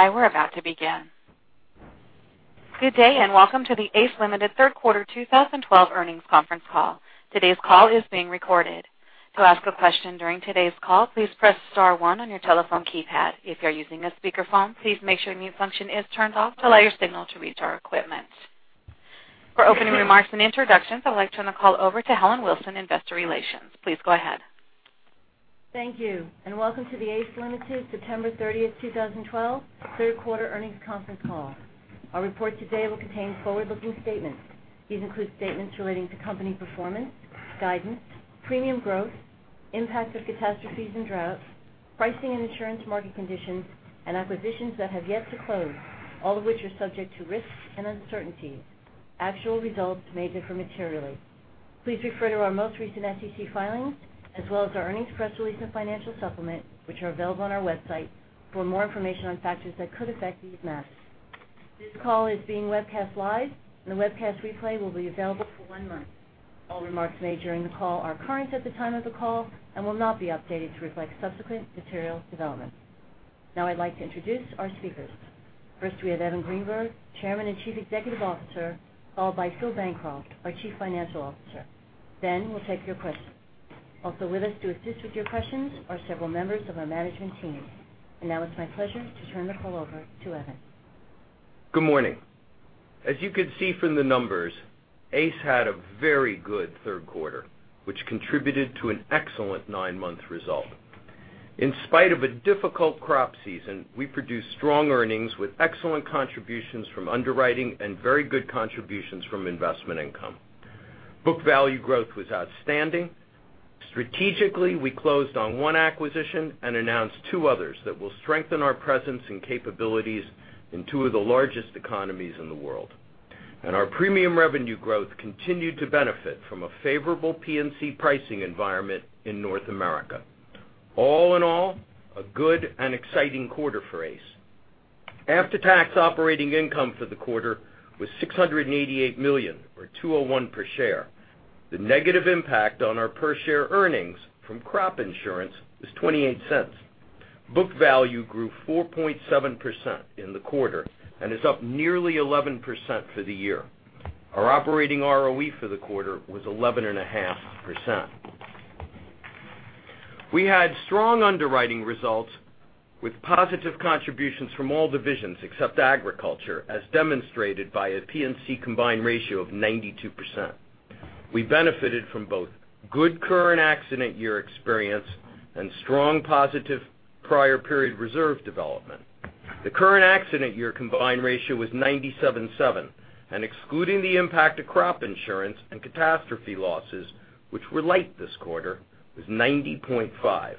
Hi, we're about to begin. Good day, and welcome to the ACE Limited Third Quarter 2012 Earnings Conference Call. Today's call is being recorded. To ask a question during today's call, please press star one on your telephone keypad. If you are using a speakerphone, please make sure mute function is turned off to allow your signal to reach our equipment. For opening remarks and introductions, I would like to turn the call over to Helen Wilson, Investor Relations. Please go ahead. Thank you. Welcome to the ACE Limited September 30th, 2012 third quarter earnings conference call. Our report today will contain forward-looking statements. These include statements relating to company performance, guidance, premium growth, impact of catastrophes and droughts, pricing and insurance market conditions, and acquisitions that have yet to close, all of which are subject to risks and uncertainties. Actual results may differ materially. Please refer to our most recent SEC filings as well as our earnings press release and financial supplement, which are available on our website, for more information on factors that could affect these matters. This call is being webcast live, and the webcast replay will be available for one month. All remarks made during the call are current at the time of the call and will not be updated to reflect subsequent material developments. I'd like to introduce our speakers. First we have Evan Greenberg, Chairman and Chief Executive Officer, followed by Philip Bancroft, our Chief Financial Officer. We'll take your questions. Also with us to assist with your questions are several members of our management team. It's my pleasure to turn the call over to Evan. Good morning. As you can see from the numbers, ACE had a very good third quarter, which contributed to an excellent nine-month result. In spite of a difficult crop season, we produced strong earnings with excellent contributions from underwriting and very good contributions from investment income. Book value growth was outstanding. Strategically, we closed on one acquisition and announced two others that will strengthen our presence and capabilities in two of the largest economies in the world. Our premium revenue growth continued to benefit from a favorable P&C pricing environment in North America. All in all, a good and exciting quarter for ACE. After-tax operating income for the quarter was $688 million, or $2.01 per share. The negative impact on our per share earnings from crop insurance was $0.28. Book value grew 4.7% in the quarter and is up nearly 11% for the year. Our operating ROE for the quarter was 11.5%. We had strong underwriting results with positive contributions from all divisions except agriculture, as demonstrated by a P&C combined ratio of 92%. We benefited from both good current accident year experience and strong positive prior period reserve development. The current accident year combined ratio was 97.7%, and excluding the impact of crop insurance and catastrophe losses, which were light this quarter, was 90.5%.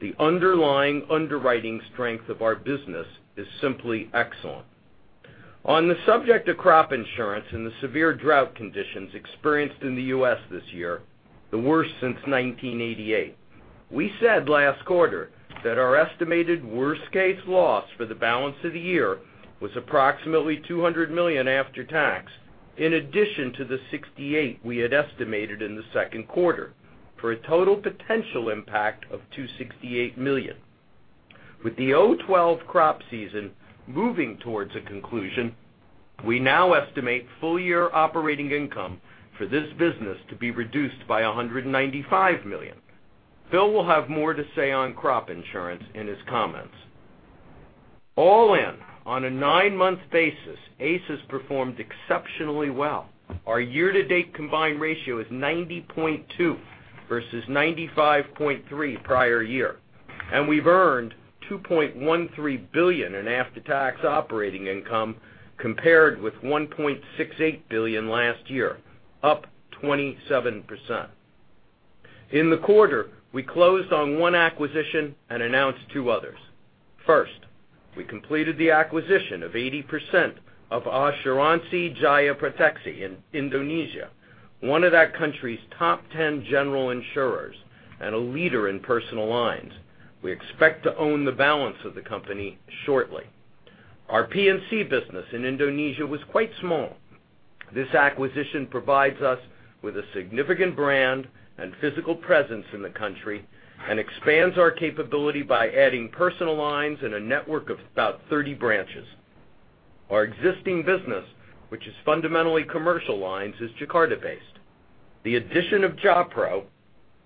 The underlying underwriting strength of our business is simply excellent. On the subject of crop insurance and the severe drought conditions experienced in the U.S. this year, the worst since 1988, we said last quarter that our estimated worst case loss for the balance of the year was approximately $200 million after tax, in addition to the $68 million we had estimated in the second quarter, for a total potential impact of $268 million. With the 2012 crop season moving towards a conclusion, we now estimate full year operating income for this business to be reduced by $195 million. Phil will have more to say on crop insurance in his comments. All in, on a nine-month basis, ACE has performed exceptionally well. Our year-to-date combined ratio is 90.2% versus 95.3% prior year, and we've earned $2.13 billion in after-tax operating income compared with $1.68 billion last year, up 27%. In the quarter, we closed on one acquisition and announced two others. First, we completed the acquisition of 80% of Asuransi Jaya Proteksi in Indonesia, one of that country's top 10 general insurers and a leader in personal lines. We expect to own the balance of the company shortly. Our P&C business in Indonesia was quite small. This acquisition provides us with a significant brand and physical presence in the country and expands our capability by adding personal lines and a network of about 30 branches. Our existing business, which is fundamentally commercial lines, is Jakarta based. The addition of Jaya Pro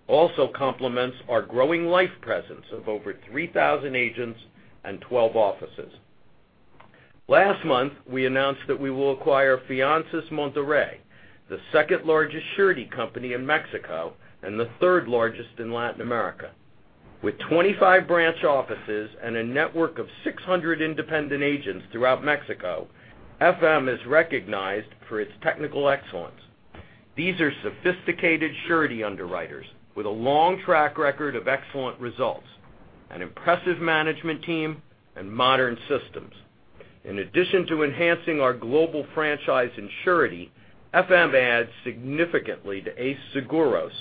also complements our growing life presence of over 3,000 agents and 12 offices. Last month, we announced that we will acquire Fianzas Monterrey, the second largest surety company in Mexico and the third largest in Latin America. With 25 branch offices and a network of 600 independent agents throughout Mexico, FM is recognized for its technical excellence. These are sophisticated surety underwriters with a long track record of excellent results, an impressive management team, and modern systems. In addition to enhancing our global franchise in surety, FM adds significantly to ACE Seguros,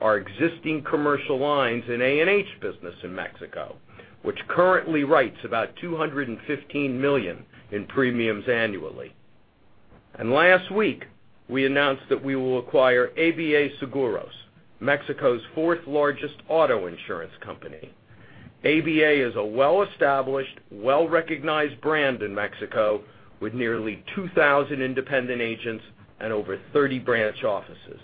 our existing commercial lines and A&H business in Mexico, which currently writes about $215 million in premiums annually. Last week, we announced that we will acquire ABA Seguros, Mexico's fourth largest auto insurance company. ABA is a well-established, well-recognized brand in Mexico, with nearly 2,000 independent agents and over 30 branch offices.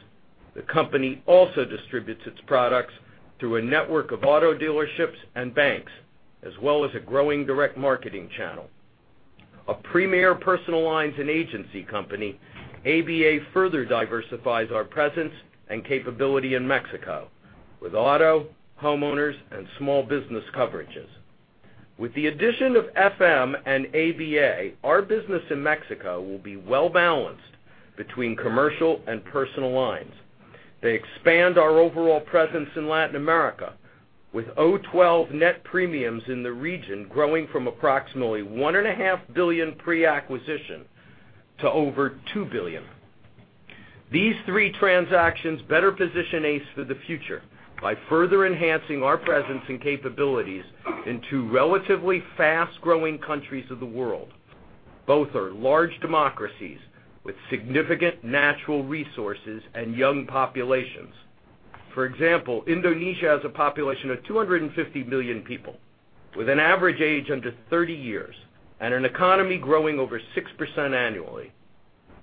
The company also distributes its products through a network of auto dealerships and banks, as well as a growing direct marketing channel. A premier personal lines and agency company, ABA further diversifies our presence and capability in Mexico with auto, homeowners, and small business coverages. With the addition of FM and ABA, our business in Mexico will be well-balanced between commercial and personal lines. They expand our overall presence in Latin America, with 2012 net premiums in the region growing from approximately one and a half billion pre-acquisition to over $2 billion. These three transactions better position ACE for the future by further enhancing our presence and capabilities in two relatively fast-growing countries of the world. Both are large democracies with significant natural resources and young populations. For example, Indonesia has a population of 250 million people with an average age under 30 years and an economy growing over 6% annually.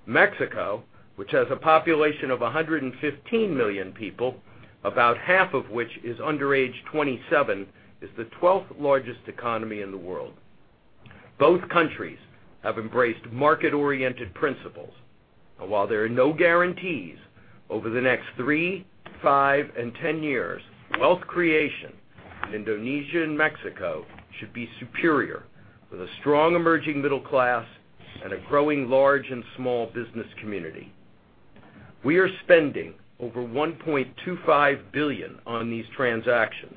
Mexico, which has a population of 115 million people, about half of which is under age 27, is the 12th largest economy in the world. Both countries have embraced market-oriented principles. While there are no guarantees, over the next three, five, and ten years, wealth creation in Indonesia and Mexico should be superior, with a strong emerging middle class and a growing large and small business community. We are spending over $1.25 billion on these transactions.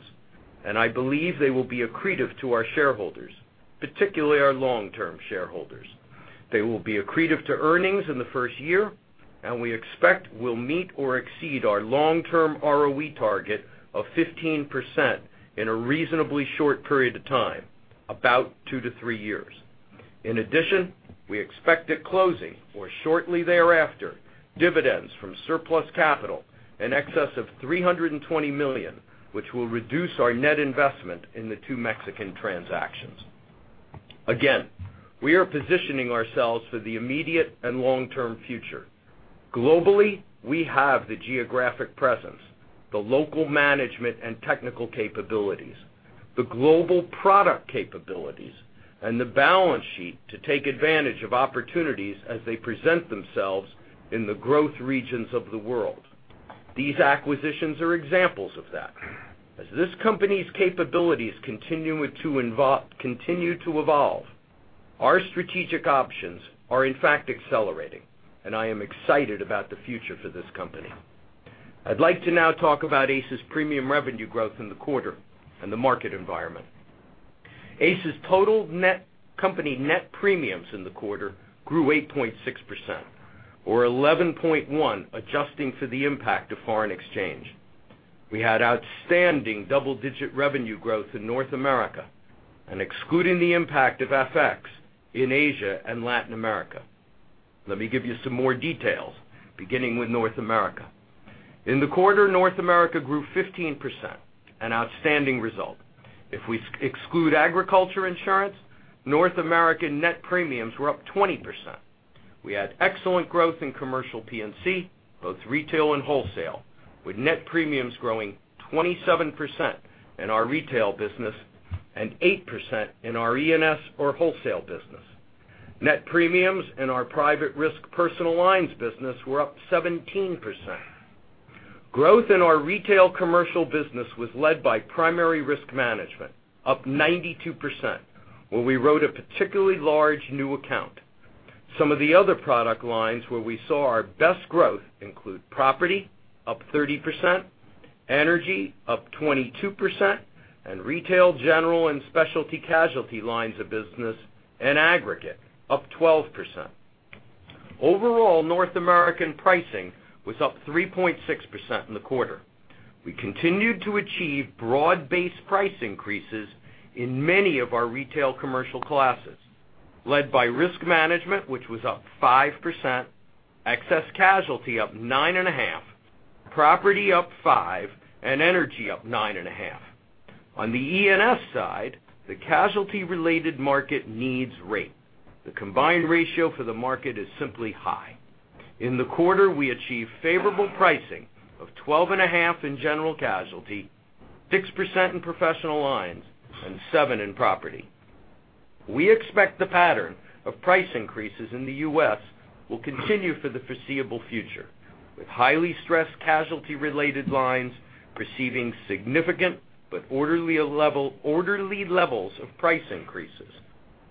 I believe they will be accretive to our shareholders, particularly our long-term shareholders. They will be accretive to earnings in the first year. We expect we'll meet or exceed our long-term ROE target of 15% in a reasonably short period of time, about two to three years. In addition, we expect at closing, or shortly thereafter, dividends from surplus capital in excess of $320 million, which will reduce our net investment in the two Mexican transactions. Again, we are positioning ourselves for the immediate and long-term future. Globally, we have the geographic presence, the local management and technical capabilities, the global product capabilities, and the balance sheet to take advantage of opportunities as they present themselves in the growth regions of the world. These acquisitions are examples of that. As this company's capabilities continue to evolve, our strategic options are in fact accelerating. I am excited about the future for this company. I'd like to now talk about ACE's premium revenue growth in the quarter and the market environment. ACE's total net company net premiums in the quarter grew 8.6%, or 11.1% adjusting for the impact of foreign exchange. We had outstanding double-digit revenue growth in North America, excluding the impact of FX in Asia and Latin America. Let me give you some more details, beginning with North America. In the quarter, North America grew 15%, an outstanding result. If we exclude agriculture insurance, North American net premiums were up 20%. We had excellent growth in commercial P&C, both retail and wholesale, with net premiums growing 27% in our retail business and 8% in our E&S or wholesale business. Net premiums in our private risk personal lines business were up 17%. Growth in our retail commercial business was led by primary risk management, up 92%, where we wrote a particularly large new account. Some of the other product lines where we saw our best growth include property, up 30%, energy, up 22%, retail, general and specialty casualty lines of business in aggregate, up 12%. Overall, North American pricing was up 3.6% in the quarter. We continued to achieve broad-based price increases in many of our retail commercial classes, led by risk management, which was up 5%, excess casualty up 9.5%, property up 5%, energy up 9.5%. On the E&S side, the casualty related market needs rate. The combined ratio for the market is simply high. In the quarter, we achieved favorable pricing of 12.5% in general casualty, 6% in professional lines, and 7% in property. We expect the pattern of price increases in the U.S. will continue for the foreseeable future, with highly stressed casualty related lines receiving significant but orderly levels of price increases,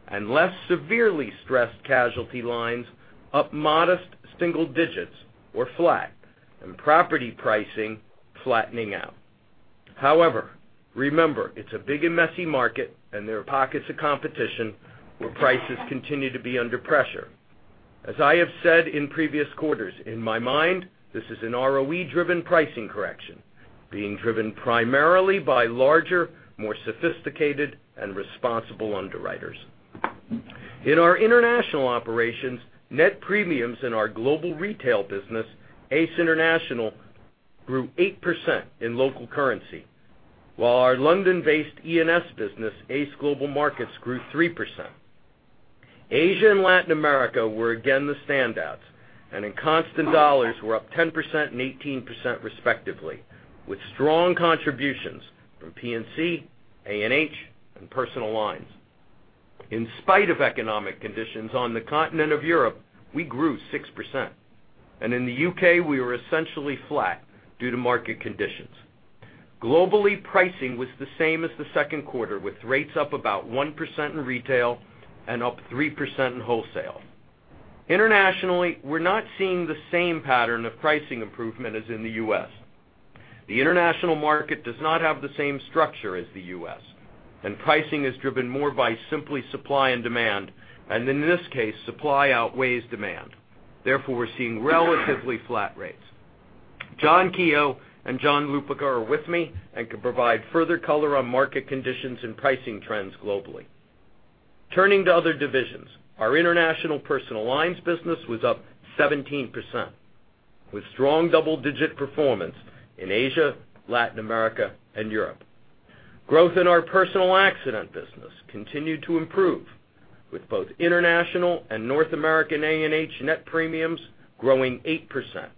and less severely stressed casualty lines up modest single digits or flat, and property pricing flattening out. However, remember, it's a big and messy market and there are pockets of competition where prices continue to be under pressure. As I have said in previous quarters, in my mind, this is an ROE driven pricing correction. Being driven primarily by larger, more sophisticated, and responsible underwriters. In our international operations, net premiums in our global retail business, ACE International, grew 8% in local currency, while our London-based E&S business, ACE Global Markets, grew 3%. Asia and Latin America were again the standouts, and in constant dollars were up 10% and 18% respectively, with strong contributions from P&C, A&H, and personal lines. In spite of economic conditions on the continent of Europe, we grew 6%. In the U.K., we were essentially flat due to market conditions. Globally, pricing was the same as the second quarter, with rates up about 1% in retail and up 3% in wholesale. Internationally, we're not seeing the same pattern of pricing improvement as in the U.S. The international market does not have the same structure as the U.S., and pricing is driven more by simply supply and demand, and in this case, supply outweighs demand. Therefore, we're seeing relatively flat rates. John Keough and John Lupica are with me and can provide further color on market conditions and pricing trends globally. Turning to other divisions, our international personal lines business was up 17%, with strong double-digit performance in Asia, Latin America, and Europe. Growth in our personal accident business continued to improve, with both international and North American A&H net premiums growing 8%.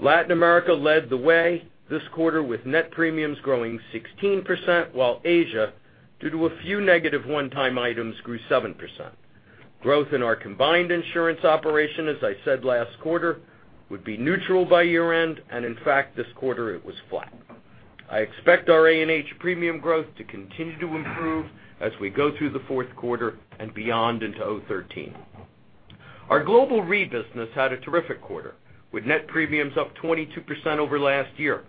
Latin America led the way this quarter with net premiums growing 16%, while Asia, due to a few negative one-time items, grew 7%. Growth in our Combined Insurance operation, as I said last quarter, would be neutral by year-end, and in fact, this quarter it was flat. I expect our A&H premium growth to continue to improve as we go through the fourth quarter and beyond into 2013. Our global re-business had a terrific quarter, with net premiums up 22% over last year.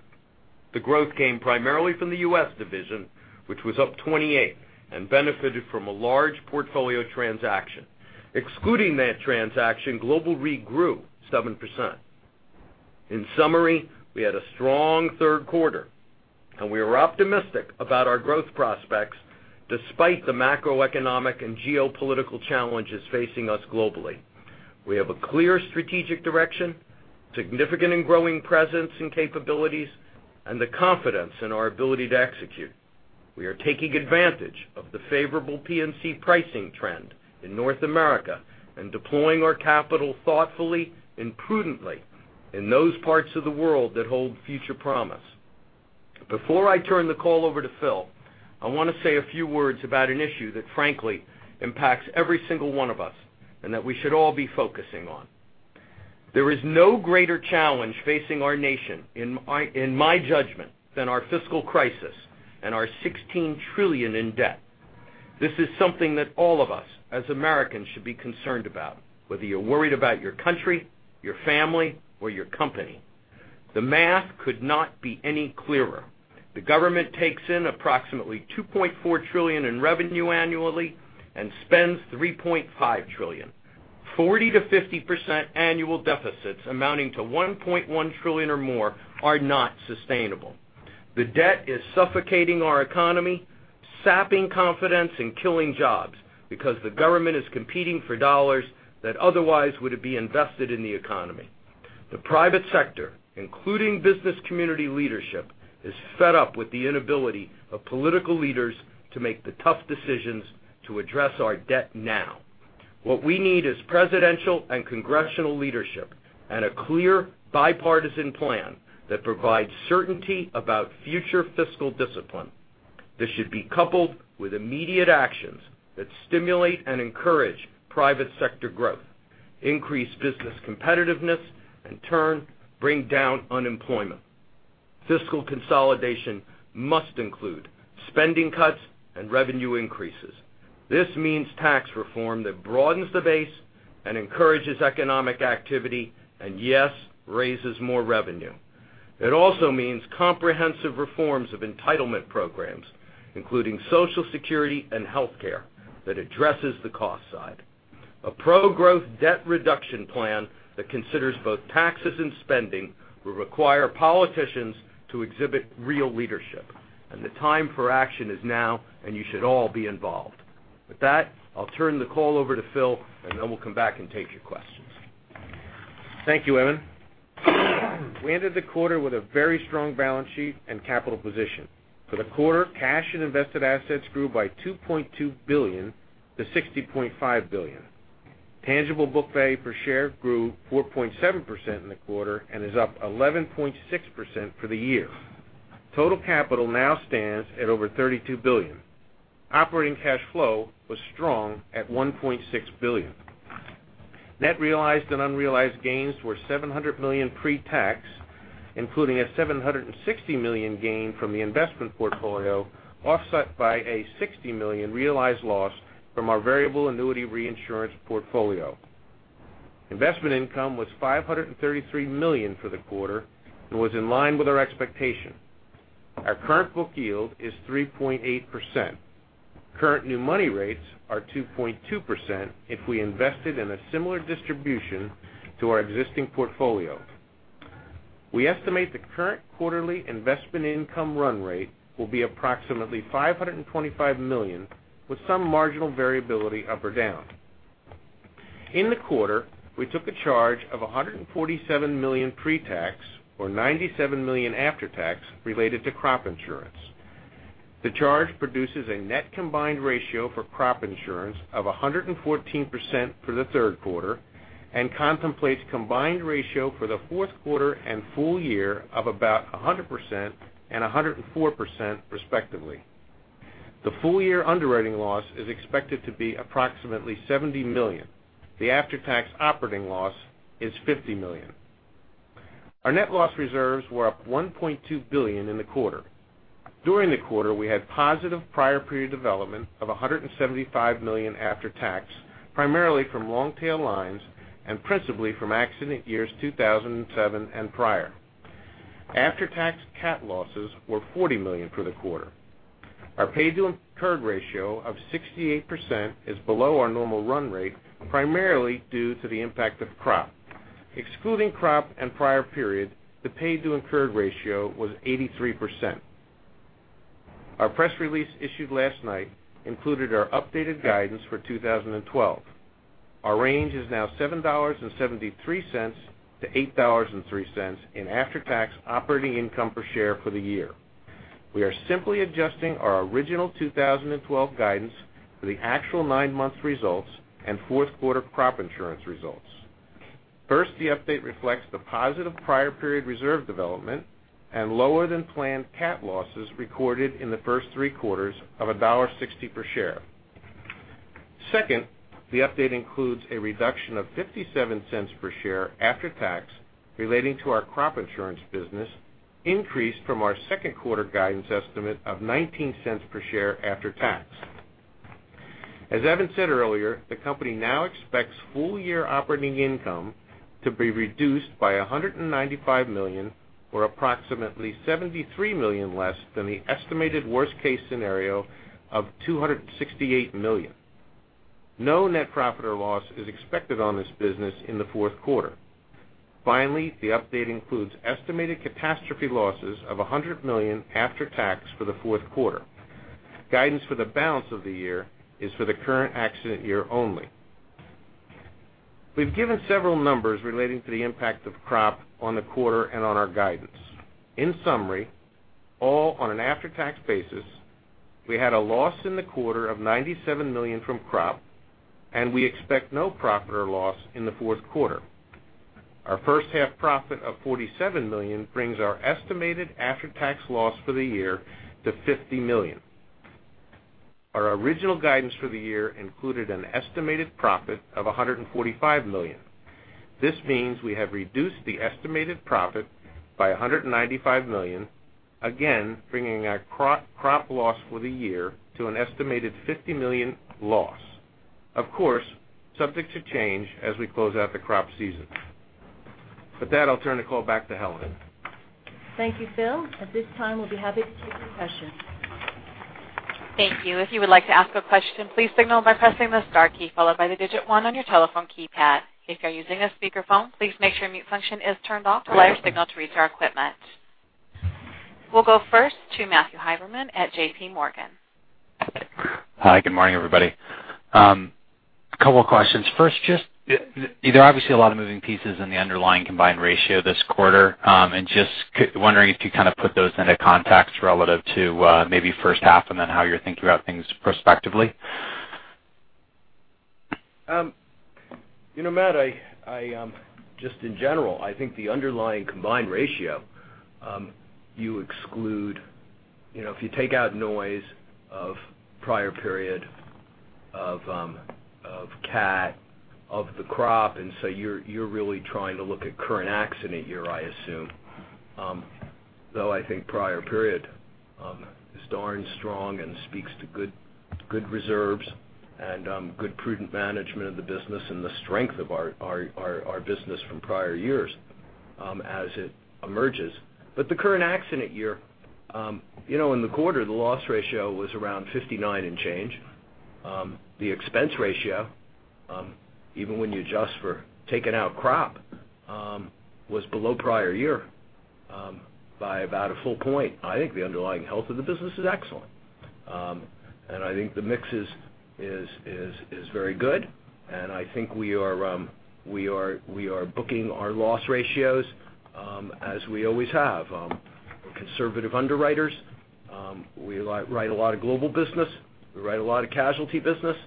The growth came primarily from the U.S. division, which was up 28% and benefited from a large portfolio transaction. Excluding that transaction, global re grew 7%. In summary, we had a strong third quarter, and we are optimistic about our growth prospects despite the macroeconomic and geopolitical challenges facing us globally. We have a clear strategic direction, significant and growing presence and capabilities, and the confidence in our ability to execute. We are taking advantage of the favorable P&C pricing trend in North America and deploying our capital thoughtfully and prudently in those parts of the world that hold future promise. Before I turn the call over to Phil, I want to say a few words about an issue that frankly impacts every single one of us and that we should all be focusing on. There is no greater challenge facing our nation, in my judgment, than our fiscal crisis and our $16 trillion in debt. This is something that all of us, as Americans, should be concerned about, whether you're worried about your country, your family, or your company. The math could not be any clearer. The government takes in approximately $2.4 trillion in revenue annually and spends $3.5 trillion. 40%-50% annual deficits amounting to $1.1 trillion or more are not sustainable. The debt is suffocating our economy, sapping confidence, and killing jobs because the government is competing for dollars that otherwise would be invested in the economy. The private sector, including business community leadership, is fed up with the inability of political leaders to make the tough decisions to address our debt now. What we need is presidential and congressional leadership and a clear bipartisan plan that provides certainty about future fiscal discipline. This should be coupled with immediate actions that stimulate and encourage private sector growth, increase business competitiveness, and in turn bring down unemployment. Fiscal consolidation must include spending cuts and revenue increases. This means tax reform that broadens the base and encourages economic activity and, yes, raises more revenue. It also means comprehensive reforms of entitlement programs, including Social Security and healthcare, that addresses the cost side. A pro-growth debt reduction plan that considers both taxes and spending will require politicians to exhibit real leadership, and the time for action is now, and you should all be involved. With that, I'll turn the call over to Phil, and then we'll come back and take your questions. Thank you, Evan. We ended the quarter with a very strong balance sheet and capital position. For the quarter, cash and invested assets grew by $2.2 billion to $60.5 billion. Tangible book value per share grew 4.7% in the quarter and is up 11.6% for the year. Total capital now stands at over $32 billion. Operating cash flow was strong at $1.6 billion. Net realized and unrealized gains were $700 million pre-tax, including a $760 million gain from the investment portfolio, offset by a $60 million realized loss from our variable annuity reinsurance portfolio. Investment income was $533 million for the quarter and was in line with our expectation. Our current book yield is 3.8%. Current new money rates are 2.2% if we invested in a similar distribution to our existing portfolio. We estimate the current quarterly investment income run rate will be approximately $525 million, with some marginal variability up or down. In the quarter, we took a charge of $147 million pre-tax, or $97 million after tax, related to crop insurance. The charge produces a net combined ratio for crop insurance of 114% for the third quarter, and contemplates combined ratio for the fourth quarter and full year of about 100% and 104% respectively. The full-year underwriting loss is expected to be approximately $70 million. The after-tax operating loss is $50 million. Our net loss reserves were up $1.2 billion in the quarter. During the quarter, we had positive prior period development of $175 million after tax, primarily from long-tail lines and principally from accident years 2007 and prior. After-tax cat losses were $40 million for the quarter. Our paid to incurred ratio of 68% is below our normal run rate, primarily due to the impact of crop. Excluding crop and prior period, the paid to incurred ratio was 83%. Our press release issued last night included our updated guidance for 2012. Our range is now $7.73 to $8.03 in after-tax operating income per share for the year. We are simply adjusting our original 2012 guidance for the actual nine months results and fourth quarter crop insurance results. First, the update reflects the positive prior period reserve development and lower than planned cat losses recorded in the first three quarters of $1.60 per share. Second, the update includes a reduction of $0.57 per share after tax relating to our crop insurance business, increased from our second quarter guidance estimate of $0.19 per share after tax. As Evan said earlier, the company now expects full year operating income to be reduced by $195 million, or approximately $73 million less than the estimated worst case scenario of $268 million. No net profit or loss is expected on this business in the fourth quarter. Finally, the update includes estimated catastrophe losses of $100 million after tax for the fourth quarter. Guidance for the balance of the year is for the current accident year only. We've given several numbers relating to the impact of crop on the quarter and on our guidance. In summary, all on an after-tax basis, we had a loss in the quarter of $97 million from crop, and we expect no profit or loss in the fourth quarter. Our first half profit of $47 million brings our estimated after-tax loss for the year to $50 million. Our original guidance for the year included an estimated profit of $145 million. This means we have reduced the estimated profit by $195 million, again, bringing our crop loss for the year to an estimated $50 million loss. Of course, subject to change as we close out the crop season. With that, I'll turn the call back to Helen. Thank you, Phil. At this time, we'll be happy to take your questions. Thank you. If you would like to ask a question, please signal by pressing the star key, followed by the digit one on your telephone keypad. If you're using a speakerphone, please make sure mute function is turned off or light a signal to reach our equipment. We'll go first to Matthew Heimermann at J.P. Morgan. Hi, good morning, everybody. Couple of questions. There are obviously a lot of moving pieces in the underlying combined ratio this quarter. Just wondering if you kind of put those into context relative to maybe first half and then how you're thinking about things prospectively. Matt, just in general, I think the underlying combined ratio, if you take out noise of prior period, of cat, of the crop, you're really trying to look at current accident year, I assume. I think prior period is darn strong and speaks to good reserves and good prudent management of the business and the strength of our business from prior years as it emerges. The current accident year, in the quarter, the loss ratio was around 59 and change. The expense ratio, even when you adjust for taking out crop, was below prior year by about a full point. I think the underlying health of the business is excellent. I think the mix is very good, and I think we are booking our loss ratios as we always have. We're conservative underwriters. We write a lot of global business. We write a lot of casualty business.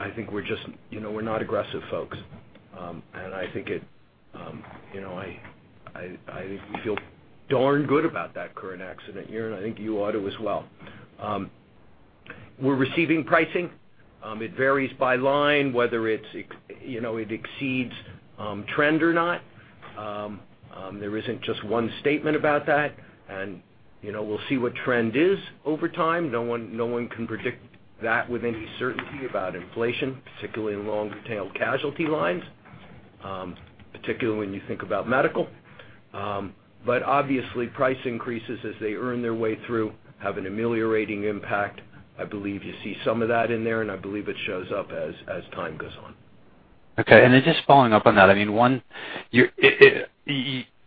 I think we're not aggressive folks. I think we feel darn good about that current accident year, and I think you ought to as well. We're receiving pricing. It varies by line, whether it exceeds trend or not. There isn't just one statement about that, and we'll see what trend is over time. No one can predict that with any certainty about inflation, particularly in long-tail casualty lines. Particularly when you think about medical. Obviously, price increases as they earn their way through, have an ameliorating impact. I believe you see some of that in there, and I believe it shows up as time goes on. Okay. Just following up on that,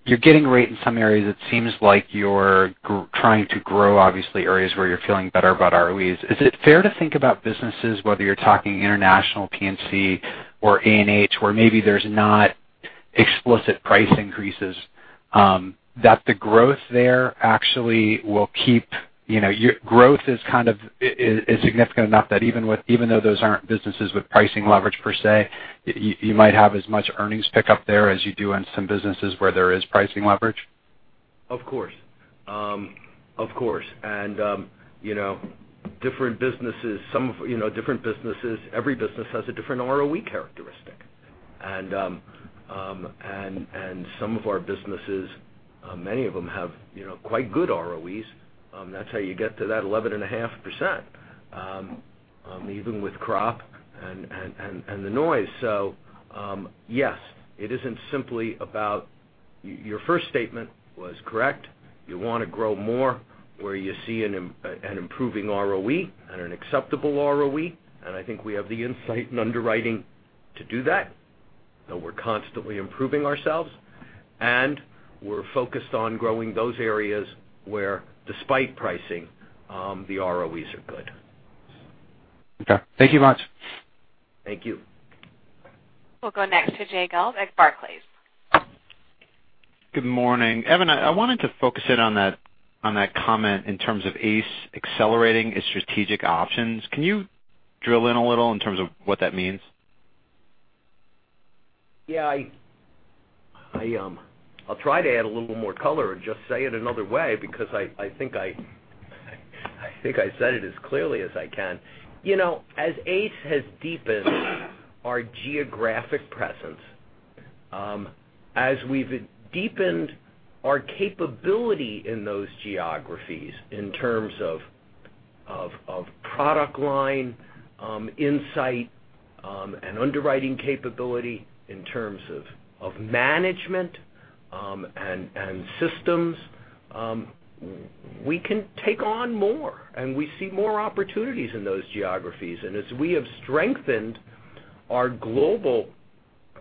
you're getting rate in some areas, it seems like you're trying to grow, obviously, areas where you're feeling better about ROEs. Is it fair to think about businesses, whether you're talking international P&C or A&H, where maybe there's not explicit price increases, that growth is significant enough that even though those aren't businesses with pricing leverage per se, you might have as much earnings pickup there as you do in some businesses where there is pricing leverage? Of course. Different businesses, every business has a different ROE characteristic. Some of our businesses, many of them have quite good ROEs. That's how you get to that 11.5%, even with crop and the noise. Yes, it isn't simply your first statement was correct. You want to grow more where you see an improving ROE and an acceptable ROE. I think we have the insight and underwriting to do that, though we're constantly improving ourselves. We're focused on growing those areas where, despite pricing, the ROEs are good. Okay. Thank you much. Thank you. We'll go next to Jay Gelb at Barclays. Good morning. Evan, I wanted to focus in on that comment in terms of ACE accelerating its strategic options. Can you drill in a little in terms of what that means? Yeah. I'll try to add a little more color or just say it another way because I think I said it as clearly as I can. As ACE has deepened our geographic presence, as we've deepened our capability in those geographies in terms of product line, insight, and underwriting capability, in terms of management and systems, we can take on more, and we see more opportunities in those geographies. As we have strengthened our global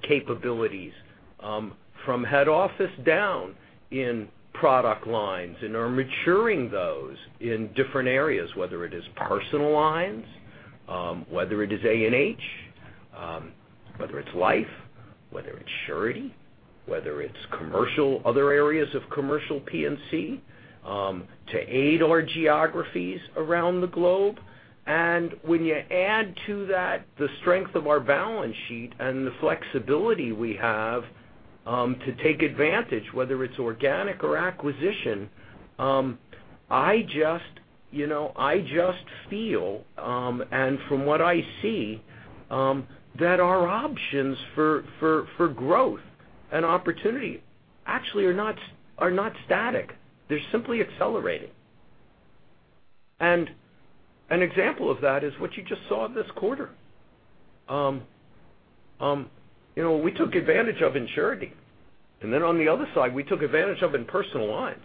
capabilities from head office down in product lines and are maturing those in different areas, whether it is personal lines, whether it is A&H, whether it's life, whether it's surety, whether it's other areas of commercial P&C, to aid our geographies around the globe. When you add to that the strength of our balance sheet and the flexibility we have to take advantage, whether it's organic or acquisition, I just feel, and from what I see, that our options for growth and opportunity actually are not static. They're simply accelerating. An example of that is what you just saw this quarter. We took advantage of in surety. Then on the other side, we took advantage of in personal lines.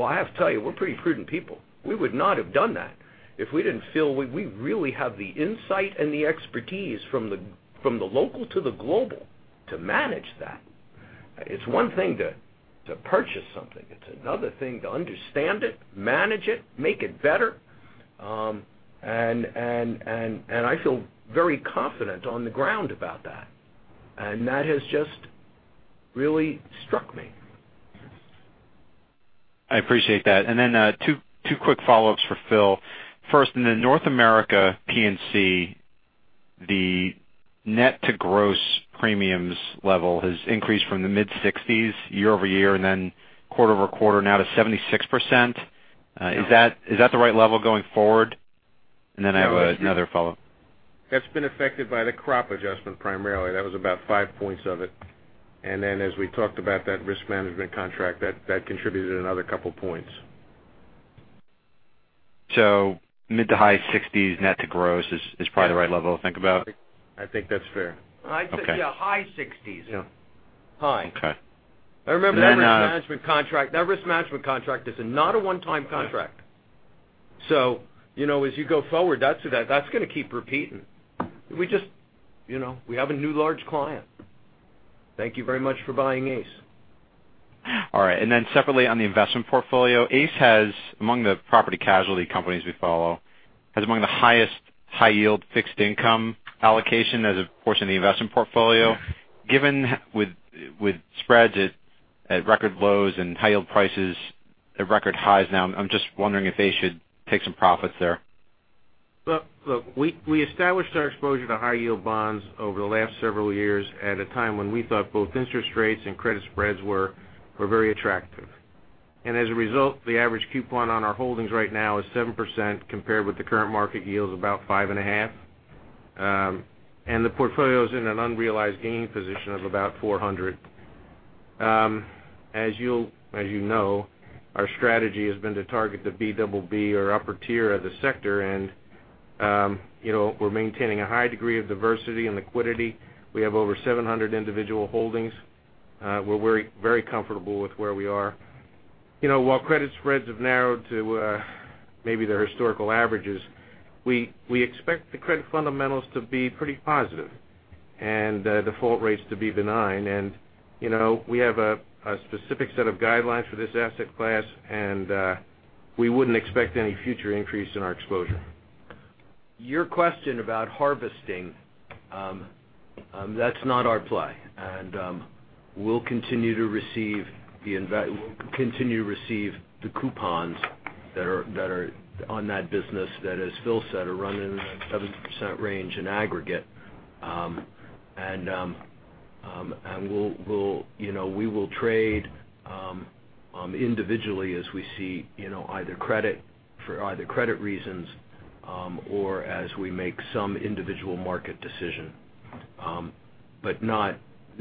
I have to tell you, we're pretty prudent people. We would not have done that if we didn't feel we really have the insight and the expertise from the local to the global to manage that. It's one thing to purchase something. It's another thing to understand it, manage it, make it better. I feel very confident on the ground about that. That has just really struck me. I appreciate that. Then two quick follow-ups for Phil. First, in the North America P&C, the net to gross premiums level has increased from the mid-60s year-over-year and quarter-over-quarter now to 76%. Is that the right level going forward? Then I have another follow-up. That's been affected by the crop adjustment primarily. That was about five points of it. Then as we talked about that risk management contract, that contributed another couple points. Mid to high 60s net to gross is probably the right level to think about? I think that's fair. I'd say, yeah, high 60s. Yeah. High. Okay. Remember, that risk management contract is not a one-time contract. As you go forward, that's going to keep repeating. We have a new large client. Thank you very much for buying ACE. All right. Separately on the investment portfolio, ACE has, among the property casualty companies we follow, has among the highest high yield fixed income allocation as a portion of the investment portfolio. Given with spreads at record lows and high yield prices at record highs now, I'm just wondering if they should take some profits there. Look, we established our exposure to high yield bonds over the last several years at a time when we thought both interest rates and credit spreads were very attractive. As a result, the average coupon on our holdings right now is 7%, compared with the current market yield of about five and a half. The portfolio is in an unrealized gain position of about $400 As you know, our strategy has been to target the BBB or upper tier of the sector. We're maintaining a high degree of diversity and liquidity. We have over 700 individual holdings. We're very comfortable with where we are. While credit spreads have narrowed to maybe their historical averages, we expect the credit fundamentals to be pretty positive and default rates to be benign. We have a specific set of guidelines for this asset class, and we wouldn't expect any future increase in our exposure. Your question about harvesting, that's not our play. We'll continue to receive the coupons that are on that business that, as Phil said, are running in the 7% range in aggregate. We will trade individually as we see either credit reasons or as we make some individual market decision, but not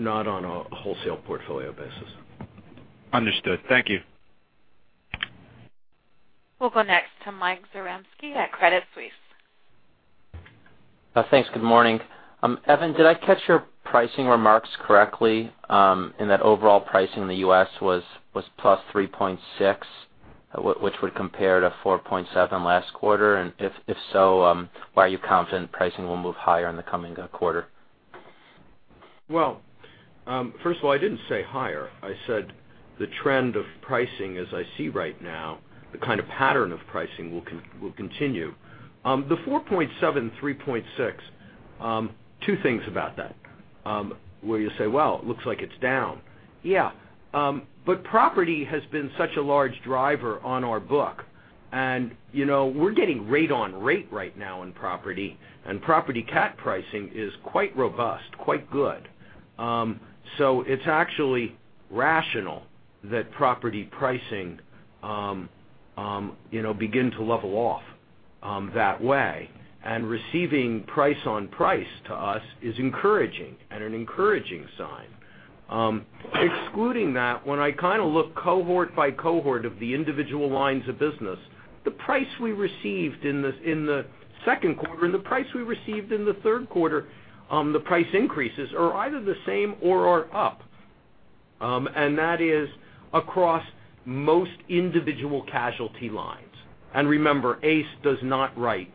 on a wholesale portfolio basis. Understood. Thank you. We'll go next to Mike Zaremski at Credit Suisse. Thanks. Good morning. Evan, did I catch your pricing remarks correctly in that overall pricing in the U.S. was +3.6%, which would compare to 4.7% last quarter? If so, why are you confident pricing will move higher in the coming quarter? Well, first of all, I didn't say higher. I said the trend of pricing as I see right now, the kind of pattern of pricing will continue. The 4.7%, 3.6%, two things about that, where you say, "Well, it looks like it's down." Property has been such a large driver on our book, and we're getting rate on rate right now in property, and property cat pricing is quite robust, quite good. It's actually rational that property pricing begin to level off that way and receiving price on price to us is encouraging and an encouraging sign. Excluding that, when I look cohort by cohort of the individual lines of business, the price we received in the second quarter and the price we received in the third quarter, the price increases are either the same or are up. That is across most individual casualty lines. Remember, ACE does not write,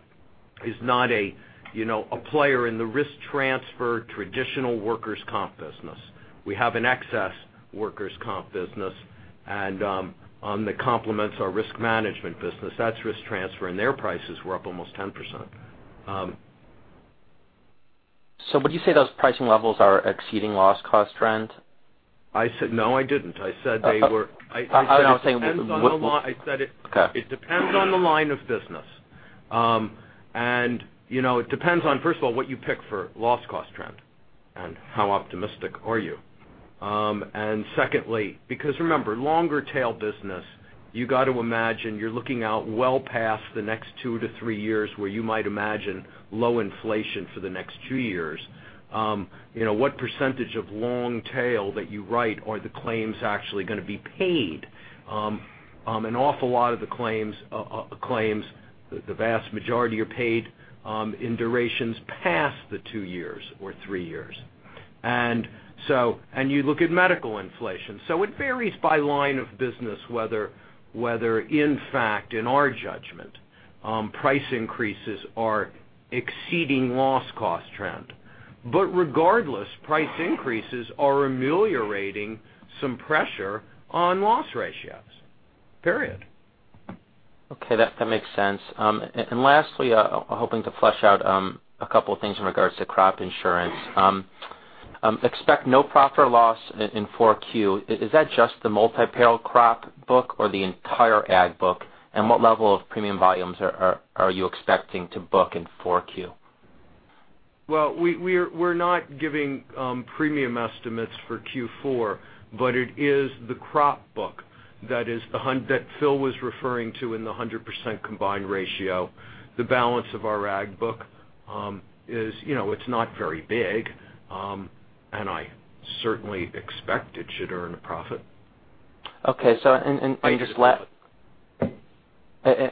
is not a player in the risk transfer traditional workers' comp business. We have an excess workers' comp business and on the complements our risk management business, that's risk transfer, and their prices were up almost 10%. Would you say those pricing levels are exceeding loss cost trend? No, I didn't. I said it depends on the line of business. It depends on, first of all, what you pick for loss cost trend and how optimistic are you. Secondly, because remember, longer tail business, you got to imagine you're looking out well past the next two to three years where you might imagine low inflation for the next two years. What percentage of long tail that you write are the claims actually going to be paid? An awful lot of the claims, the vast majority are paid in durations past the two years or three years. You look at medical inflation. It varies by line of business whether in fact, in our judgment, price increases are exceeding loss cost trend. Regardless, price increases are ameliorating some pressure on loss ratios, period. Okay, that makes sense. Lastly, hoping to flesh out a couple things in regards to crop insurance. Expect no profit or loss in 4Q. Is that just the multi-peril crop book or the entire ag book? What level of premium volumes are you expecting to book in 4Q? Well, we're not giving premium estimates for Q4, but it is the crop book that Phil was referring to in the 100% combined ratio. The balance of our ag book is not very big. I certainly expect it should earn a profit.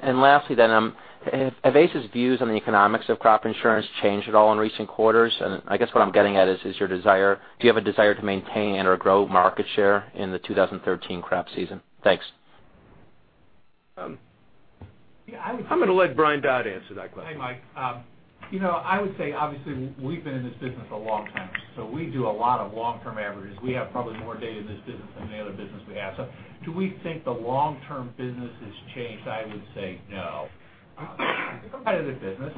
Lastly, have ACE's views on the economics of crop insurance changed at all in recent quarters? I guess what I'm getting at is, do you have a desire to maintain and/or grow market share in the 2013 crop season? Thanks. I'm going to let Brian Dodd answer that question. Hey, Mike. I would say, obviously, we've been in this business a long time, we do a lot of long-term averages. We have probably more data in this business than any other business we have. Do we think the long-term business has changed? I would say no. It's a competitive business,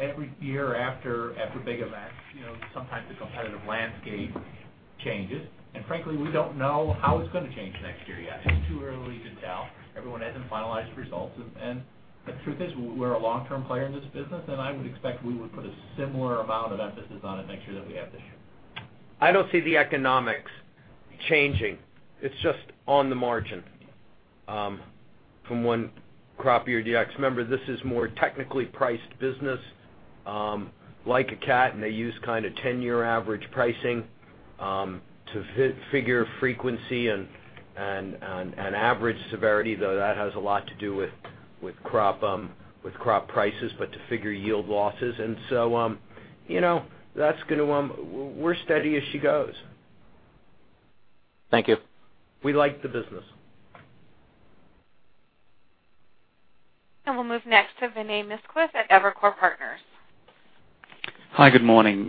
every year after big events, sometimes the competitive landscape changes. Frankly, we don't know how it's going to change next year yet. It's too early to tell. Everyone hasn't finalized results. The truth is, we're a long-term player in this business, I would expect we would put a similar amount of emphasis on it next year that we have this year. I don't see the economics changing. It's just on the margin. From one crop year to the next. Remember, this is more technically priced business, like a cat, and they use kind of 10-year average pricing to figure frequency and average severity, though that has a lot to do with crop prices, but to figure yield losses. We're steady as she goes. Thank you. We like the business. We'll move next to Vinay Misquith at Evercore Partners. Hi, good morning.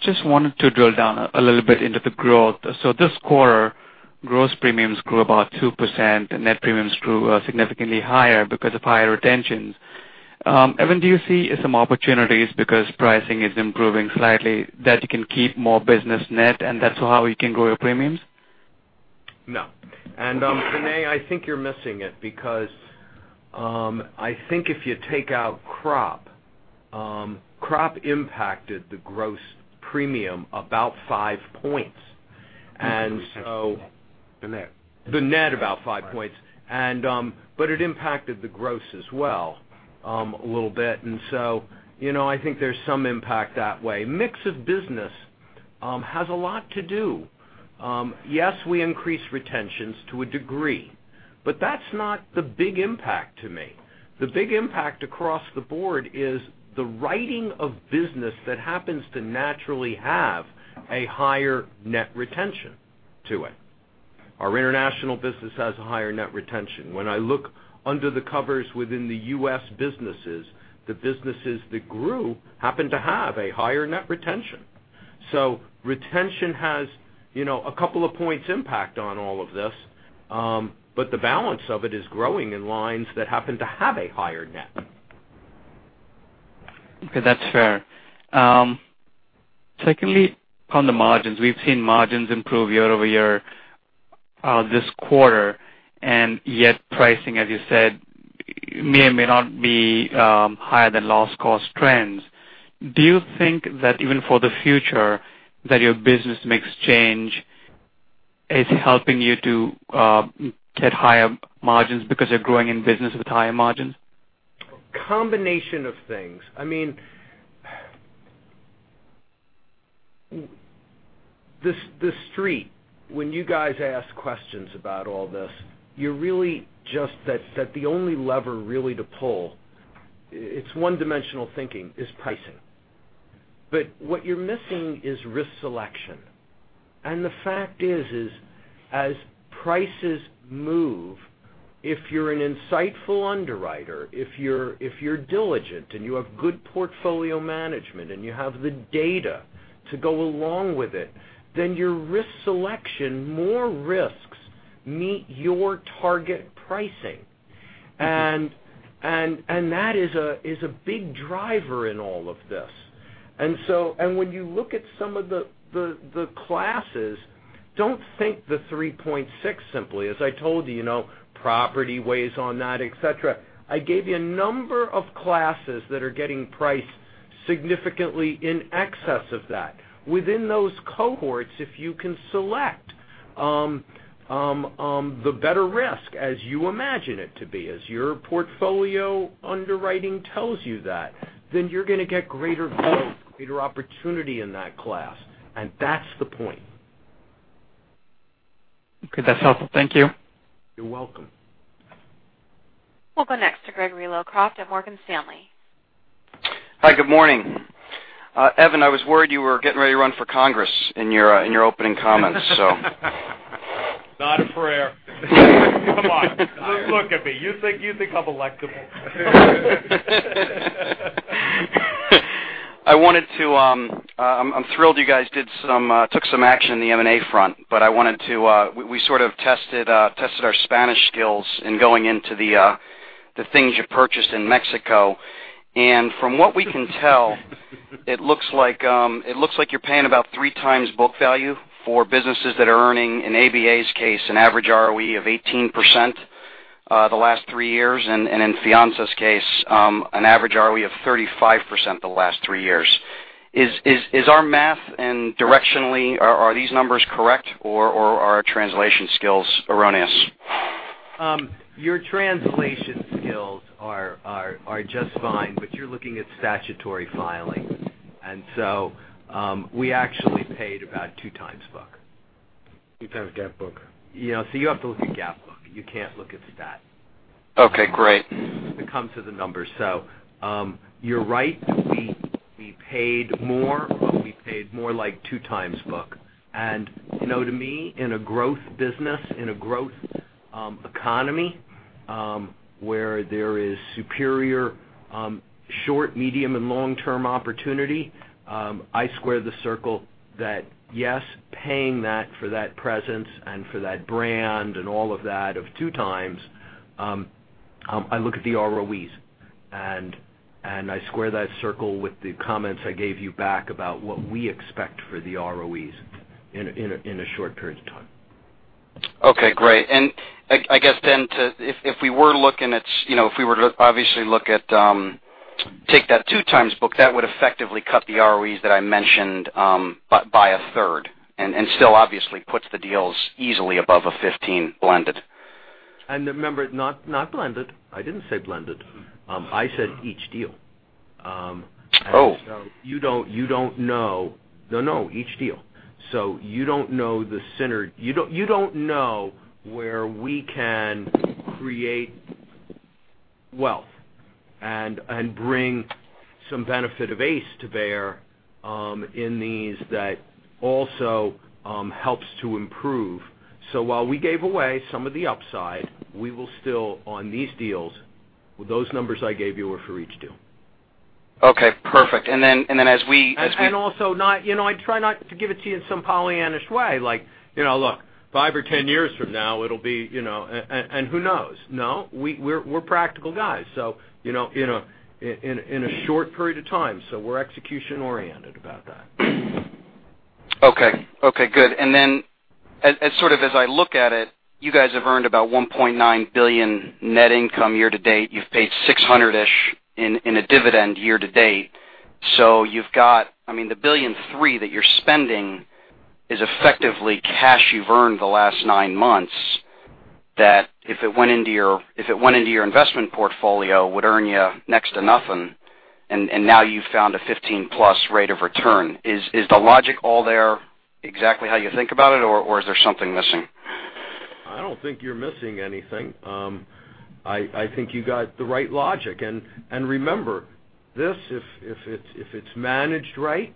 Just wanted to drill down a little bit into the growth. This quarter, gross premiums grew about 2% and net premiums grew significantly higher because of higher retentions. Evan, do you see some opportunities because pricing is improving slightly, that you can keep more business net and that's how you can grow your premiums? No. Vinay, I think you're missing it because I think if you take out crop impacted the gross premium about five points. The net. The net about five points. It impacted the gross as well, a little bit. I think there's some impact that way. Mix of business has a lot to do. Yes, we increase retentions to a degree, but that's not the big impact to me. The big impact across the board is the writing of business that happens to naturally have a higher net retention to it. Our international business has a higher net retention. When I look under the covers within the U.S. businesses, the businesses that grew happen to have a higher net retention. Retention has a couple of points impact on all of this. The balance of it is growing in lines that happen to have a higher net. Okay. That's fair. Secondly, on the margins. We've seen margins improve year-over-year this quarter, yet pricing, as you said, may or may not be higher than loss cost trends. Do you think that even for the future, that your business mix change is helping you to get higher margins because you're growing in business with higher margins? Combination of things. The Street, when you guys ask questions about all this, you're really just that the only lever really to pull, it's one-dimensional thinking, is pricing. What you're missing is risk selection. The fact is, as prices move, if you're an insightful underwriter, if you're diligent and you have good portfolio management, and you have the data to go along with it, then your risk selection, more risks meet your target pricing. That is a big driver in all of this. When you look at some of the classes, don't think the 3.6 simply. As I told you, property weighs on that, et cetera. I gave you a number of classes that are getting priced significantly in excess of that. Within those cohorts, if you can select the better risk as you imagine it to be, as your portfolio underwriting tells you that, then you're going to get greater growth, greater opportunity in that class. That's the point. Okay. That's helpful. Thank you. You're welcome. We'll go next to Gregory Locraft at Morgan Stanley. Hi, good morning. Evan, I was worried you were getting ready to run for Congress in your opening comments. Not a prayer. Come on. Look at me. You think I'm electable? I'm thrilled you guys took some action in the M&A front, but we sort of tested our Spanish skills in going into the things you purchased in Mexico. From what we can tell, it looks like you're paying about 3 times book value for businesses that are earning, in ABA's case, an average ROE of 18% the last three years, and in Fianzas' case, an average ROE of 35% the last three years. Is our math and directionally, are these numbers correct? Are our translation skills erroneous? Your translation skills are just fine, you're looking at statutory filings. We actually paid about 2 times book. 2 times GAAP book. Yeah. You have to look at GAAP book. You can't look at stat. Okay, great. It comes to the numbers. You're right. We paid more, but we paid more like two times book. To me, in a growth business, in a growth economy, where there is superior short, medium, and long-term opportunity, I square the circle that yes, paying that for that presence and for that brand and all of that of two times, I look at the ROEs, I square that circle with the comments I gave you back about what we expect for the ROEs in a short period of time. Okay, great. I guess if we were to obviously look at that two times book, that would effectively cut the ROEs that I mentioned by a third, still obviously puts the deals easily above a 15 blended. Remember, not blended. I didn't say blended. I said each deal. Oh. No. Each deal. You don't know the center. You don't know where we can create wealth and bring some benefit of ACE to bear in these that also helps to improve. While we gave away some of the upside, we will still on these deals, those numbers I gave you were for each deal. Okay, perfect. Also, I try not to give it to you in some Pollyannaish way, like, look, five or 10 years from now, it'll be, and who knows? No, we're practical guys. In a short period of time, so we're execution oriented about that. Okay. Good. As I look at it, you guys have earned about $1.9 billion net income year to date. You've paid 600-ish in a dividend year to date. You've got the $1.3 billion that you're spending is effectively cash you've earned the last nine months that if it went into your investment portfolio, would earn you next to nothing, and now you've found a 15+ rate of return. Is the logic all there exactly how you think about it, or is there something missing? I don't think you're missing anything. I think you got the right logic. Remember, this, if it's managed right,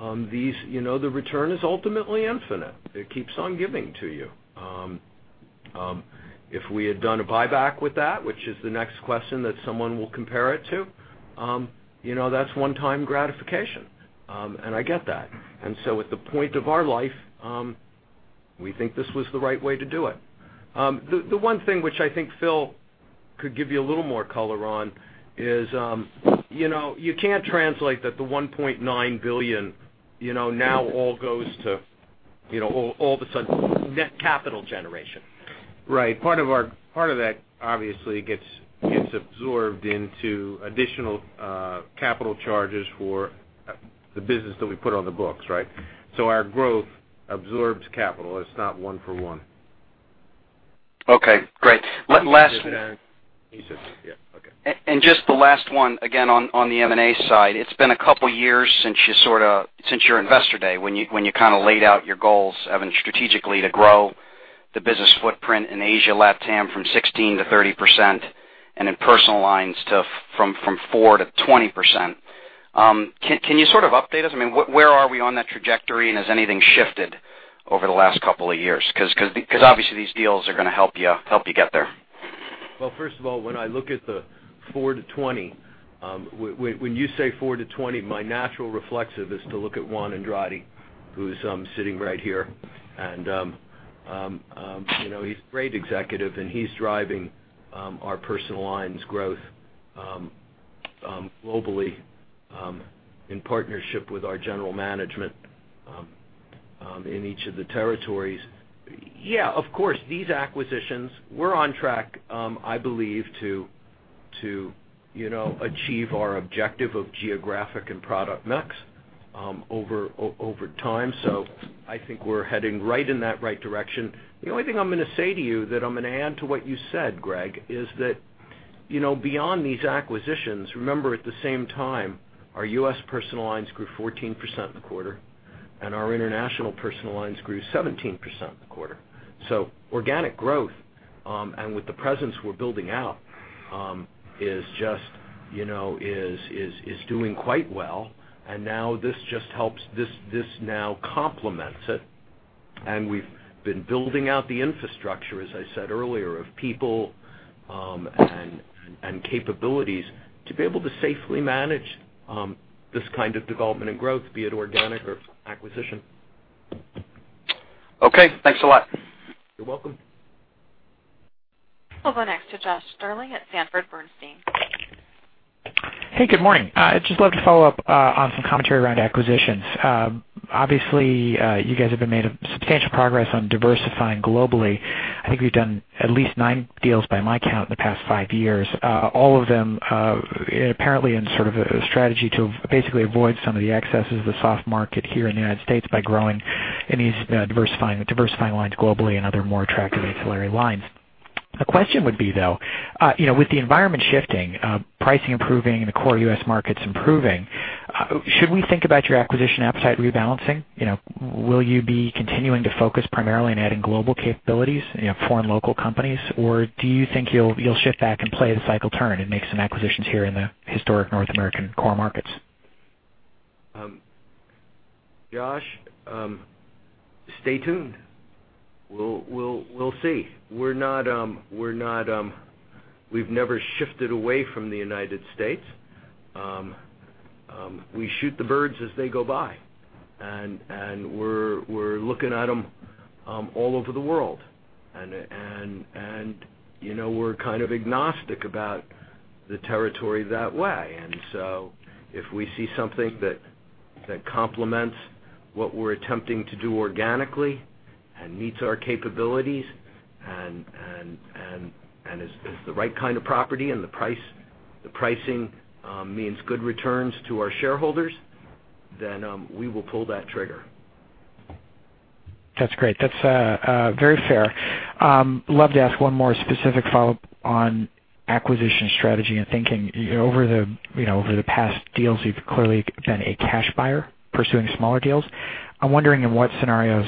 the return is ultimately infinite. It keeps on giving to you. If we had done a buyback with that, which is the next question that someone will compare it to, that's one-time gratification. I get that. At the point of our life, we think this was the right way to do it. The one thing which I think Phil could give you a little more color on is you can't translate that the $1.9 billion, now all of a sudden net capital generation. Right. Part of that obviously gets absorbed into additional capital charges for the business that we put on the books. Right? Our growth absorbs capital. It's not one for one. Okay, great. One last. He said, yeah. Okay. Just the last one again on the M&A side. It's been a couple of years since your investor day when you laid out your goals, Evan, strategically to grow the business footprint in Asia, LATAM from 16%-30%, and in personal lines stuff from 4%-20%. Can you sort of update us? Where are we on that trajectory, and has anything shifted over the last couple of years? Obviously these deals are going to help you get there. Well, first of all, when I look at the 4%-20%, when you say 4%-20%, my natural reflexive is to look at Juan Andrade, who's sitting right here, and he's a great executive, and he's driving our personal lines growth globally, in partnership with our general management in each of the territories. Yeah, of course, these acquisitions, we're on track, I believe, to achieve our objective of geographic and product mix over time. I think we're heading right in that right direction. The only thing I'm going to say to you that I'm going to add to what you said, Greg, is that beyond these acquisitions, remember at the same time, our US personal lines grew 14% in the quarter, and our international personal lines grew 17% in the quarter. Organic growth, and with the presence we're building out, is doing quite well, and now this just helps. This now complements it. We've been building out the infrastructure, as I said earlier, of people and capabilities to be able to safely manage this kind of development and growth, be it organic or acquisition. Okay, thanks a lot. You're welcome. We'll go next to Josh Stirling at Sanford C. Bernstein. Hey, good morning. I'd just love to follow up on some commentary around acquisitions. Obviously, you guys have been made substantial progress on diversifying globally. I think you've done at least nine deals by my count in the past five years. All of them apparently in sort of a strategy to basically avoid some of the excesses of the soft market here in the U.S. by growing in these diversifying lines globally and other more attractive ancillary lines. The question would be, though, with the environment shifting, pricing improving and the core U.S. markets improving, should we think about your acquisition appetite rebalancing? Will you be continuing to focus primarily on adding global capabilities, foreign local companies, or do you think you'll shift back and play the cycle turn and make some acquisitions here in the historic North American core markets? Josh, stay tuned. We'll see. We've never shifted away from the U.S. We shoot the birds as they go by, and we're looking at them all over the world, and we're kind of agnostic about the territory that way. If we see something that complements what we're attempting to do organically And meets our capabilities and is the right kind of property and the pricing means good returns to our shareholders, we will pull that trigger. That's great. That's very fair. Love to ask one more specific follow-up on acquisition strategy and thinking. Over the past deals, you've clearly been a cash buyer pursuing smaller deals. I'm wondering in what scenarios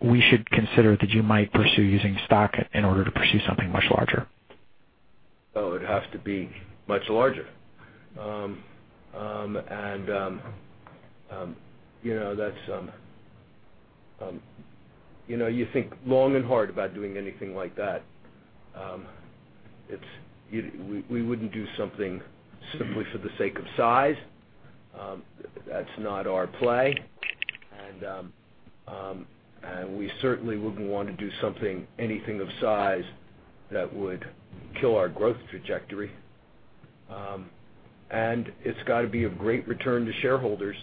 we should consider that you might pursue using stock in order to pursue something much larger. Oh, it'd have to be much larger. You think long and hard about doing anything like that. We wouldn't do something simply for the sake of size. That's not our play. We certainly wouldn't want to do anything of size that would kill our growth trajectory. It's got to be of great return to shareholders.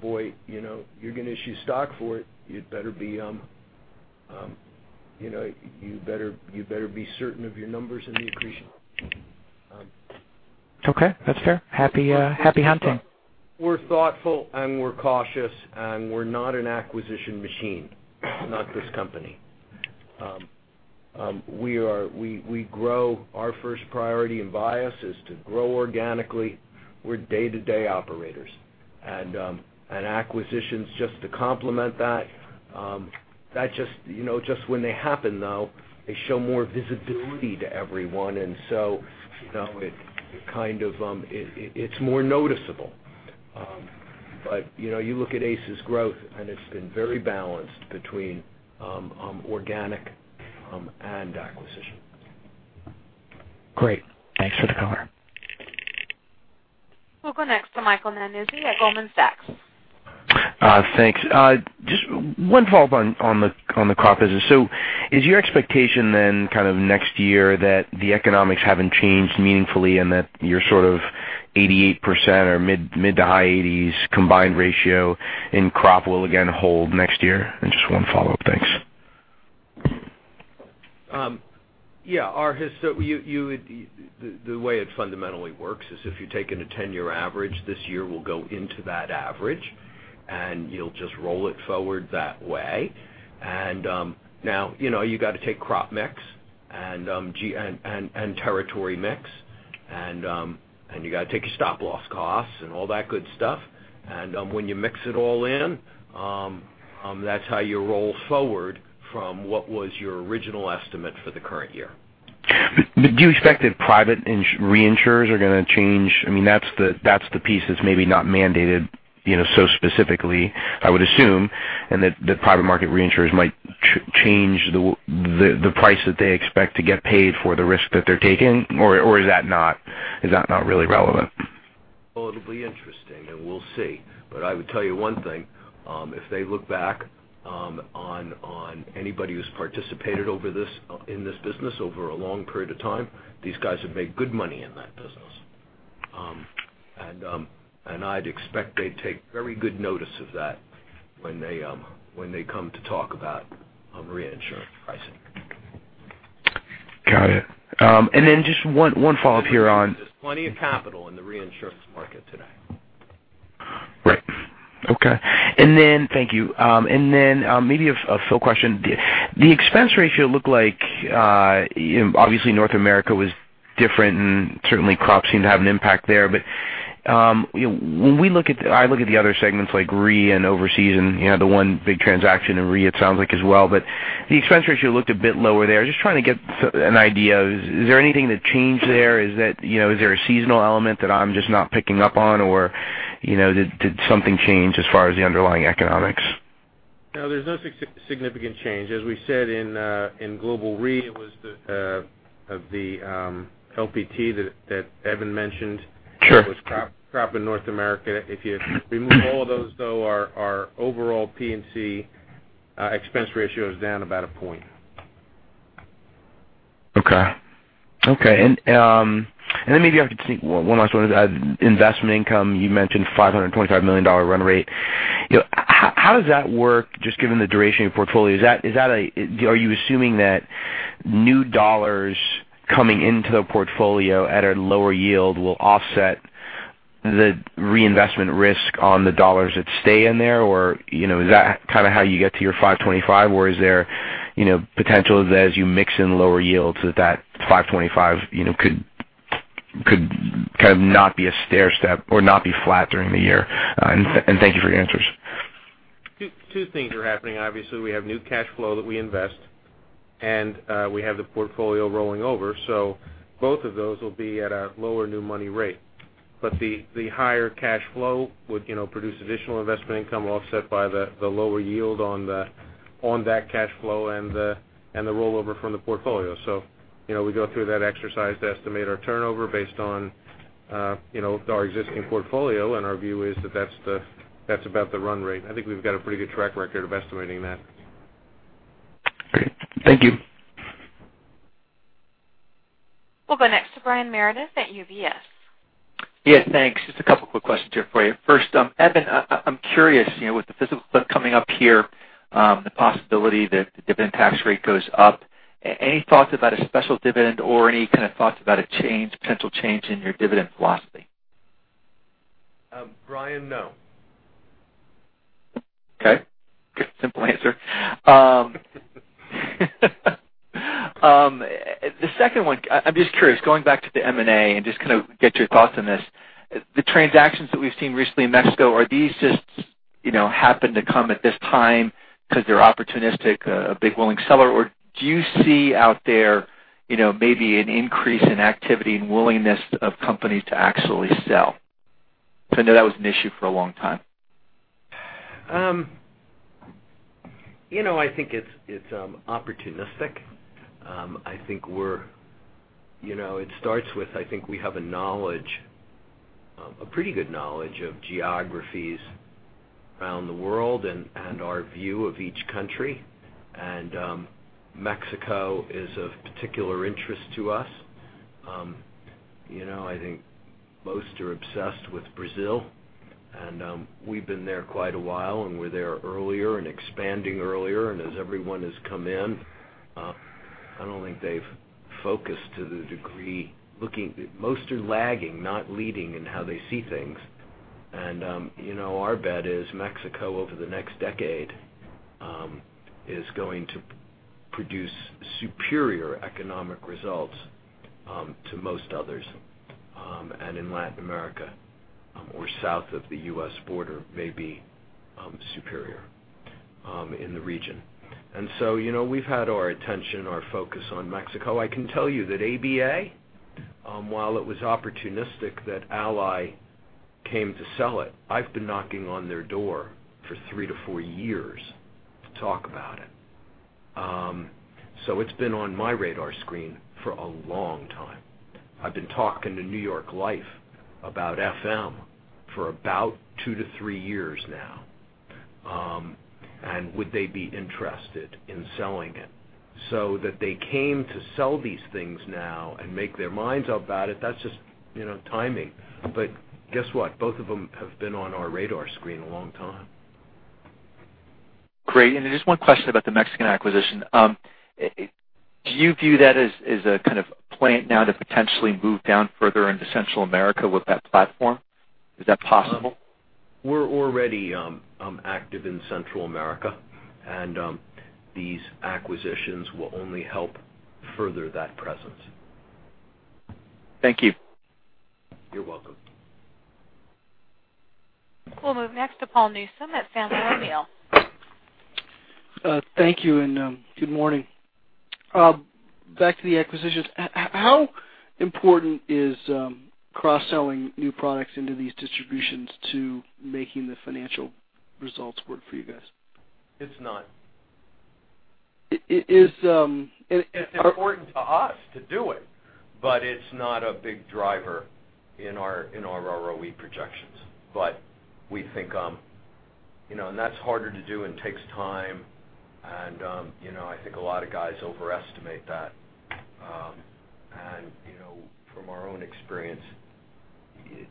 Boy, you're going to issue stock for it, you better be certain of your numbers and the accretion. Okay, that's fair. Happy hunting. We're thoughtful and we're cautious, and we're not an acquisition machine, not this company. Our first priority and bias is to grow organically. We're day-to-day operators, and acquisitions just to complement that. Just when they happen, though, they show more visibility to everyone, it's more noticeable. You look at ACE's growth, and it's been very balanced between organic and acquisition. Great. Thanks for the color. We'll go next to Michael Nannizzi at Goldman Sachs. Thanks. Just one follow-up on the crop business. Is your expectation then kind of next year that the economics haven't changed meaningfully and that your sort of 88% or mid to high 80s combined ratio in crop will again hold next year? Just one follow-up. Thanks. Yeah. The way it fundamentally works is if you're taking a 10-year average, this year will go into that average, and you'll just roll it forward that way. Now, you got to take crop mix and territory mix, and you got to take your stop loss costs and all that good stuff. When you mix it all in, that's how you roll forward from what was your original estimate for the current year. Do you expect that private reinsurers are going to change? That's the piece that's maybe not mandated so specifically, I would assume, that the private market reinsurers might change the price that they expect to get paid for the risk that they're taking? Is that not really relevant? Well, it'll be interesting, and we'll see. I would tell you one thing, if they look back on anybody who's participated in this business over a long period of time, these guys have made good money in that business. I'd expect they'd take very good notice of that when they come to talk about reinsurance pricing. Got it. Just one follow up here on- There's plenty of capital in the reinsurance market today. Right. Okay. Thank you. Maybe a Phil question. The expense ratio looked like, obviously North America was different and certainly crop seemed to have an impact there. When I look at the other segments like Re and overseas and the one big transaction in Re, it sounds like as well, the expense ratio looked a bit lower there. Just trying to get an idea, is there anything that changed there? Is there a seasonal element that I'm just not picking up on, or did something change as far as the underlying economics? No, there's no significant change. As we said in Chubb Global Reinsurance, it was the LPT that Evan mentioned. Sure. It was crop in North America. If you remove all of those, though, our overall P&C expense ratio is down about a point. Okay. Maybe I have to take one last one. Investment income, you mentioned $525 million run rate. How does that work, just given the duration of your portfolio? Are you assuming that new dollars coming into the portfolio at a lower yield will offset the reinvestment risk on the dollars that stay in there? Is that kind of how you get to your 525? Is there potential that as you mix in lower yields that that 525 could kind of not be a stairstep or not be flat during the year? Thank you for your answers. Two things are happening. Obviously, we have new cash flow that we invest, and we have the portfolio rolling over. Both of those will be at a lower new money rate. The higher cash flow would produce additional investment income offset by the lower yield on that cash flow and the rollover from the portfolio. We go through that exercise to estimate our turnover based on our existing portfolio, and our view is that that's about the run rate. I think we've got a pretty good track record of estimating that. Great. Thank you. We'll go next to Brian Meredith at UBS. Yes, thanks. Just a couple quick questions here for you. First, Evan, I'm curious, with the fiscal cliff coming up here, the possibility that the dividend tax rate goes up, any thoughts about a special dividend or any kind of thoughts about a potential change in your dividend philosophy? Brian, no. Okay. Simple answer. The second one, I'm just curious, going back to the M&A and just get your thoughts on this. The transactions that we've seen recently in Mexico, are these just happened to come at this time because they're opportunistic, a big willing seller, or do you see out there, maybe an increase in activity and willingness of companies to actually sell? Because I know that was an issue for a long time. I think it's opportunistic. It starts with, I think we have a pretty good knowledge of geographies around the world and our view of each country, and Mexico is of particular interest to us. I think most are obsessed with Brazil, we've been there quite a while, and were there earlier and expanding earlier. As everyone has come in, I don't think they've focused to the degree. Most are lagging, not leading in how they see things. Our bet is Mexico over the next decade is going to produce superior economic results to most others, and in Latin America or south of the U.S. border may be superior in the region. We've had our attention, our focus on Mexico. I can tell you that ABA, while it was opportunistic that Ally came to sell it, I've been knocking on their door for 3 to 4 years to talk about it. It's been on my radar screen for a long time. I've been talking to New York Life about FM for about 2 to 3 years now. Would they be interested in selling it? That they came to sell these things now and make their minds up about it, that's just timing. Guess what? Both of them have been on our radar screen a long time. Great. Just one question about the Mexican acquisition. Do you view that as a kind of plan now to potentially move down further into Central America with that platform? Is that possible? We're already active in Central America, and these acquisitions will only help further that presence. Thank you. You're welcome. We'll move next to Paul Newsome at Sandler O'Neill. Thank you, and good morning. Back to the acquisitions. How important is cross-selling new products into these distributions to making the financial results work for you guys? It's not. Is- It's important to us to do it, but it's not a big driver in our ROE projections. That's harder to do and takes time, and I think a lot of guys overestimate that. From our own experience,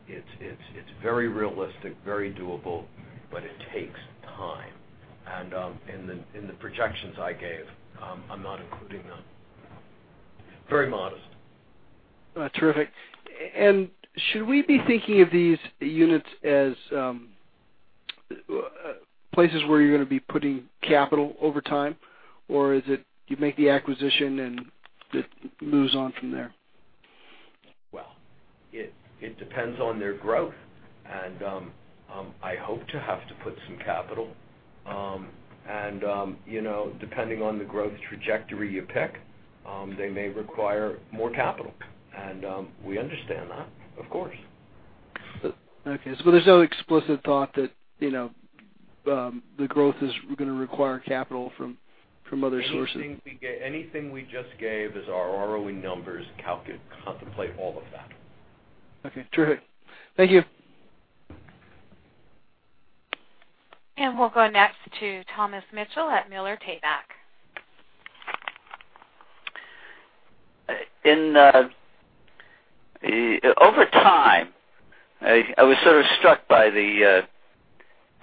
it's very realistic, very doable, but it takes time. In the projections I gave, I'm not including them. Very modest. Terrific. Should we be thinking of these units as places where you're going to be putting capital over time, or is it you make the acquisition and it moves on from there? Well, it depends on their growth. I hope to have to put some capital. Depending on the growth trajectory you pick, they may require more capital. We understand that, of course. Okay. There's no explicit thought that the growth is going to require capital from other sources. Anything we just gave as our ROE numbers contemplate all of that. Okay, terrific. Thank you. We'll go next to Thomas Mitchell at Miller Tabak. Over time, I was sort of struck by the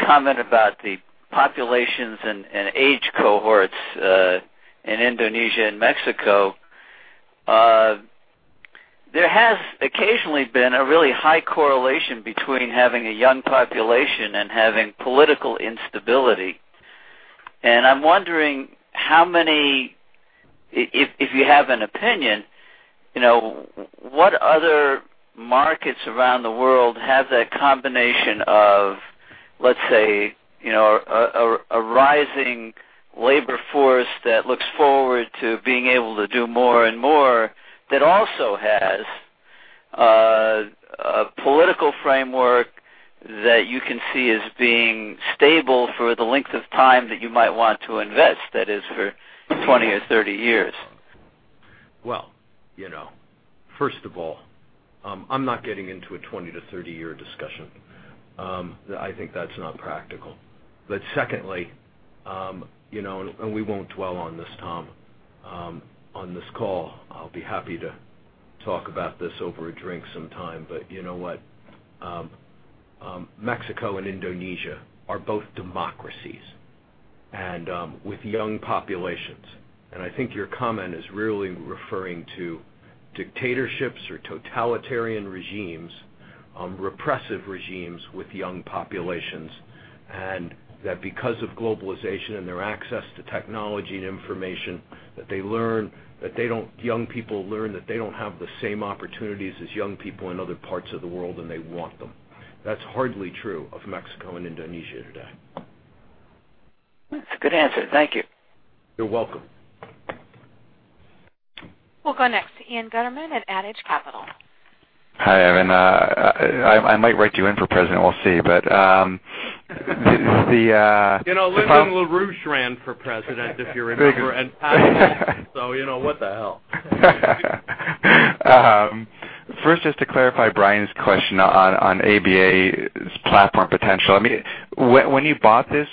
comment about the populations and age cohorts in Indonesia and Mexico. There has occasionally been a really high correlation between having a young population and having political instability. I'm wondering how many, if you have an opinion, what other markets around the world have that combination of, let's say, a rising labor force that looks forward to being able to do more and more, that also has a political framework that you can see as being stable for the length of time that you might want to invest, that is, for 20 or 30 years? Well, first of all I'm not getting into a 20 to 30 year discussion. I think that's not practical. Secondly, we won't dwell on this, Tom, on this call, I'll be happy to talk about this over a drink sometime. You know what? Mexico and Indonesia are both democracies and with young populations. I think your comment is really referring to dictatorships or totalitarian regimes, repressive regimes with young populations, and that because of globalization and their access to technology and information that young people learn that they don't have the same opportunities as young people in other parts of the world, and they want them. That's hardly true of Mexico and Indonesia today. That's a good answer. Thank you. You're welcome. We'll go next to Ian Gutterman at Adage Capital. Hi, Evan. I might write you in for president, we'll see. Lyndon LaRouche ran for president, if you remember, what the hell? First, just to clarify Brian's question on ABA's platform potential. When you bought this,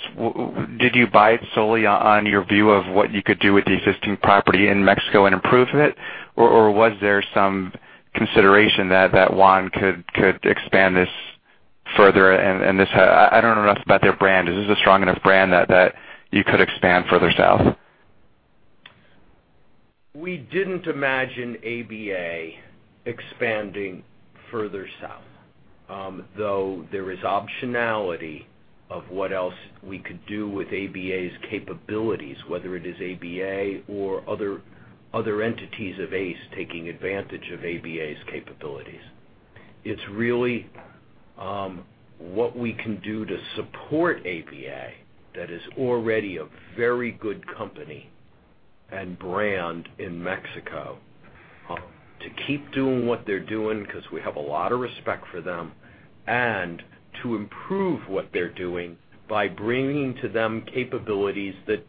did you buy it solely on your view of what you could do with the existing property in Mexico and improve it? Or was there some consideration that Juan could expand this further? I don't know enough about their brand. Is this a strong enough brand that you could expand further south? We didn't imagine ABA expanding further south. Though there is optionality of what else we could do with ABA's capabilities, whether it is ABA or other entities of ACE taking advantage of ABA's capabilities. It's really what we can do to support ABA that is already a very good company and brand in Mexico, to keep doing what they're doing because we have a lot of respect for them, and to improve what they're doing by bringing to them capabilities that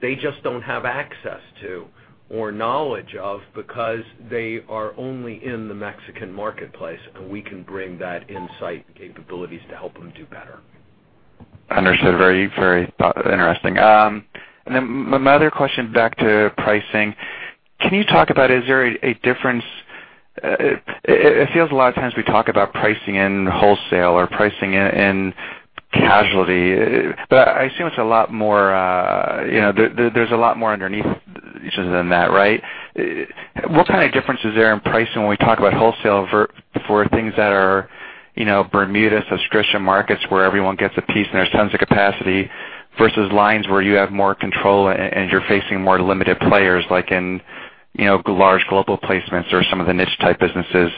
they just don't have access to or knowledge of because they are only in the Mexican marketplace. We can bring that insight capabilities to help them do better. Understood. Very interesting. My other question, back to pricing. Can you talk about, It feels a lot of times we talk about pricing in wholesale or pricing in casualty, I assume there's a lot more underneath than that, right? Sure. What kind of difference is there in pricing when we talk about wholesale for things that are Bermuda subscription markets where everyone gets a piece and there's tons of capacity, versus lines where you have more control and you're facing more limited players, like in large global placements or some of the niche type businesses.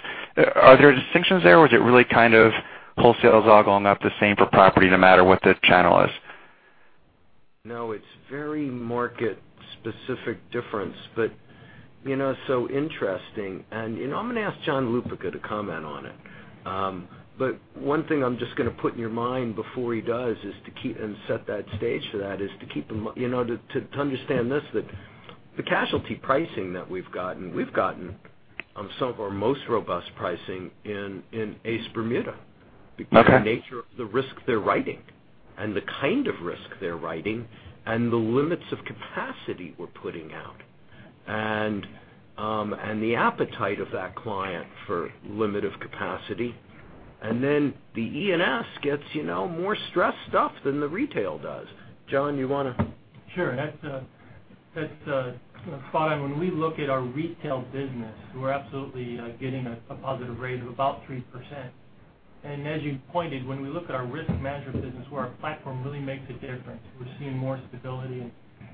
Are there distinctions there or is it really kind of wholesale is all going up the same for property no matter what the channel is? No, it's very market specific difference, but so interesting, and I'm going to ask John Lupica to comment on it. One thing I'm just going to put in your mind before he does and set that stage for that is to understand this, that the casualty pricing that we've gotten, we've gotten some of our most robust pricing in ACE Bermuda. Okay. Because the nature of the risk they're writing and the kind of risk they're writing and the limits of capacity we're putting out. The appetite of that client for limit of capacity. The E&S gets more stress stuff than the retail does. John, you want to? Sure. That's spot on. When we look at our retail business, we're absolutely getting a positive rate of about 3%. As you pointed, when we look at our risk management business where our platform really makes a difference, we're seeing more stability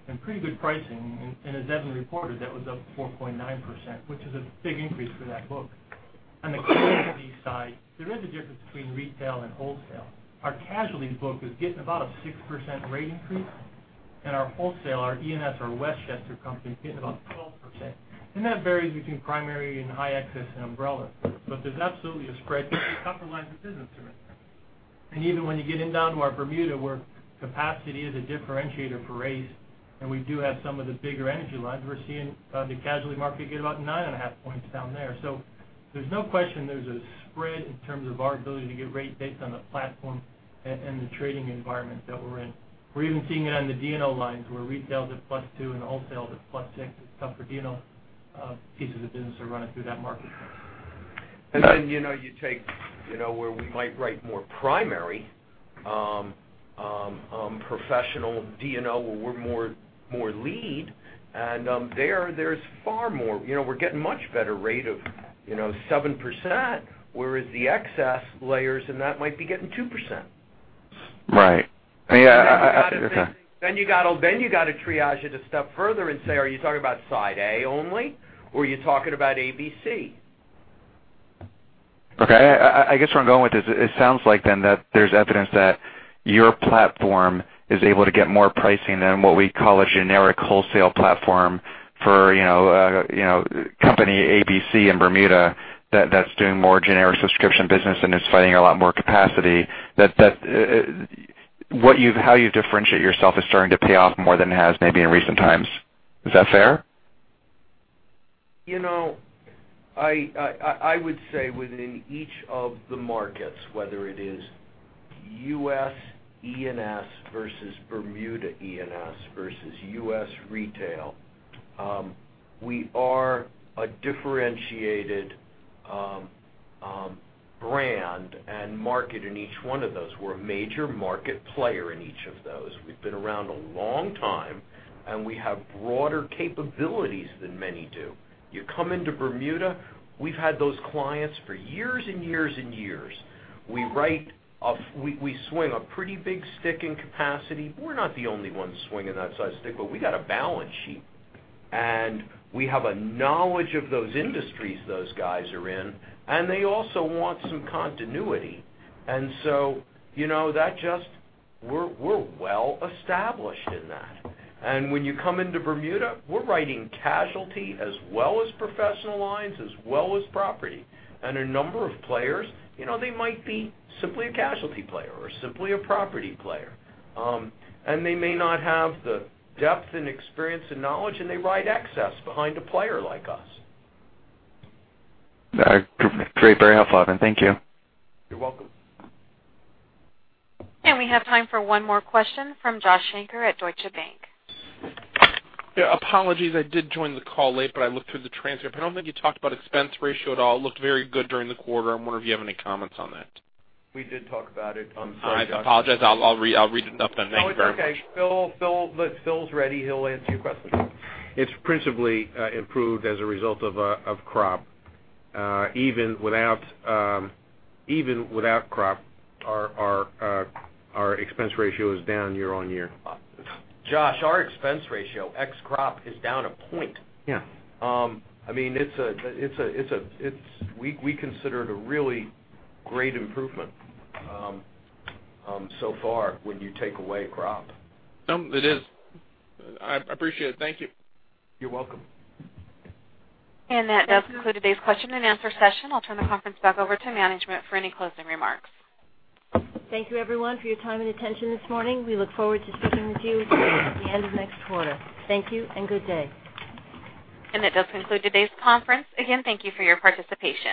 and pretty good pricing. As Evan reported, that was up 4.9%, which is a big increase for that book. On the casualty side, there is a difference between retail and wholesale. Our casualty book is getting about a 6% rate increase, and our wholesaler, E&S, our Westchester company, is getting about 12%. That varies between primary and high excess and umbrella. There's absolutely a spread between tougher lines of business there. Even when you get in down to our Bermuda, where capacity is a differentiator for ACE, and we do have some of the bigger energy lines, we're seeing the casualty market get about 9.5 points down there. There's no question there's a spread in terms of our ability to get rate based on the platform and the trading environment that we're in. We're even seeing it on the D&O lines where retail's at +2 and wholesale is at +6. It's tougher D&O pieces of business are running through that marketplace. Then you take where we might write more primary, professional D&O where we're more lead, and there's far more. We're getting much better rate of 7%, whereas the excess layers in that might be getting 2%. Right. Yeah. Okay. You got to triage it a step further and say, are you talking about Side A only, or are you talking about ABC? I guess where I'm going with this, it sounds like then that there's evidence that your platform is able to get more pricing than what we call a generic wholesale platform for company ABC in Bermuda that's doing more generic subscription business and is fighting a lot more capacity. How you differentiate yourself is starting to pay off more than it has maybe in recent times. Is that fair? I would say within each of the markets, whether it is U.S. E&S versus Bermuda E&S versus U.S. retail, we are a differentiated brand and market in each one of those. We're a major market player in each of those. We've been around a long time, and we have broader capabilities than many do. You come into Bermuda, we've had those clients for years and years and years. We swing a pretty big stick in capacity. We're not the only ones swinging that size stick, but we got a balance sheet, and we have a knowledge of those industries those guys are in, and they also want some continuity. We're well established in that. When you come into Bermuda, we're writing casualty as well as professional lines, as well as property. A number of players, they might be simply a casualty player or simply a property player. They may not have the depth and experience and knowledge, and they write excess behind a player like us. Great. Very helpful, Evan. Thank you. You're welcome. We have time for one more question from Joshua Shanker at Deutsche Bank. Apologies. I did join the call late, but I looked through the transcript. I don't think you talked about expense ratio at all. It looked very good during the quarter. I wonder if you have any comments on that. We did talk about it. I'm sorry, Josh. I apologize. I'll read it up. Thank you very much. No, it's okay. Phil's ready. He'll answer your question. It's principally improved as a result of crop. Even without crop, our expense ratio is down year-on-year. Josh, our expense ratio, ex-crop, is down a point. Yeah. We consider it a really great improvement so far when you take away crop. No, it is. I appreciate it. Thank you. You're welcome. That does conclude today's question and answer session. I'll turn the conference back over to management for any closing remarks. Thank you everyone for your time and attention this morning. We look forward to speaking with you at the end of next quarter. Thank you and good day. That does conclude today's conference. Again, thank you for your participation.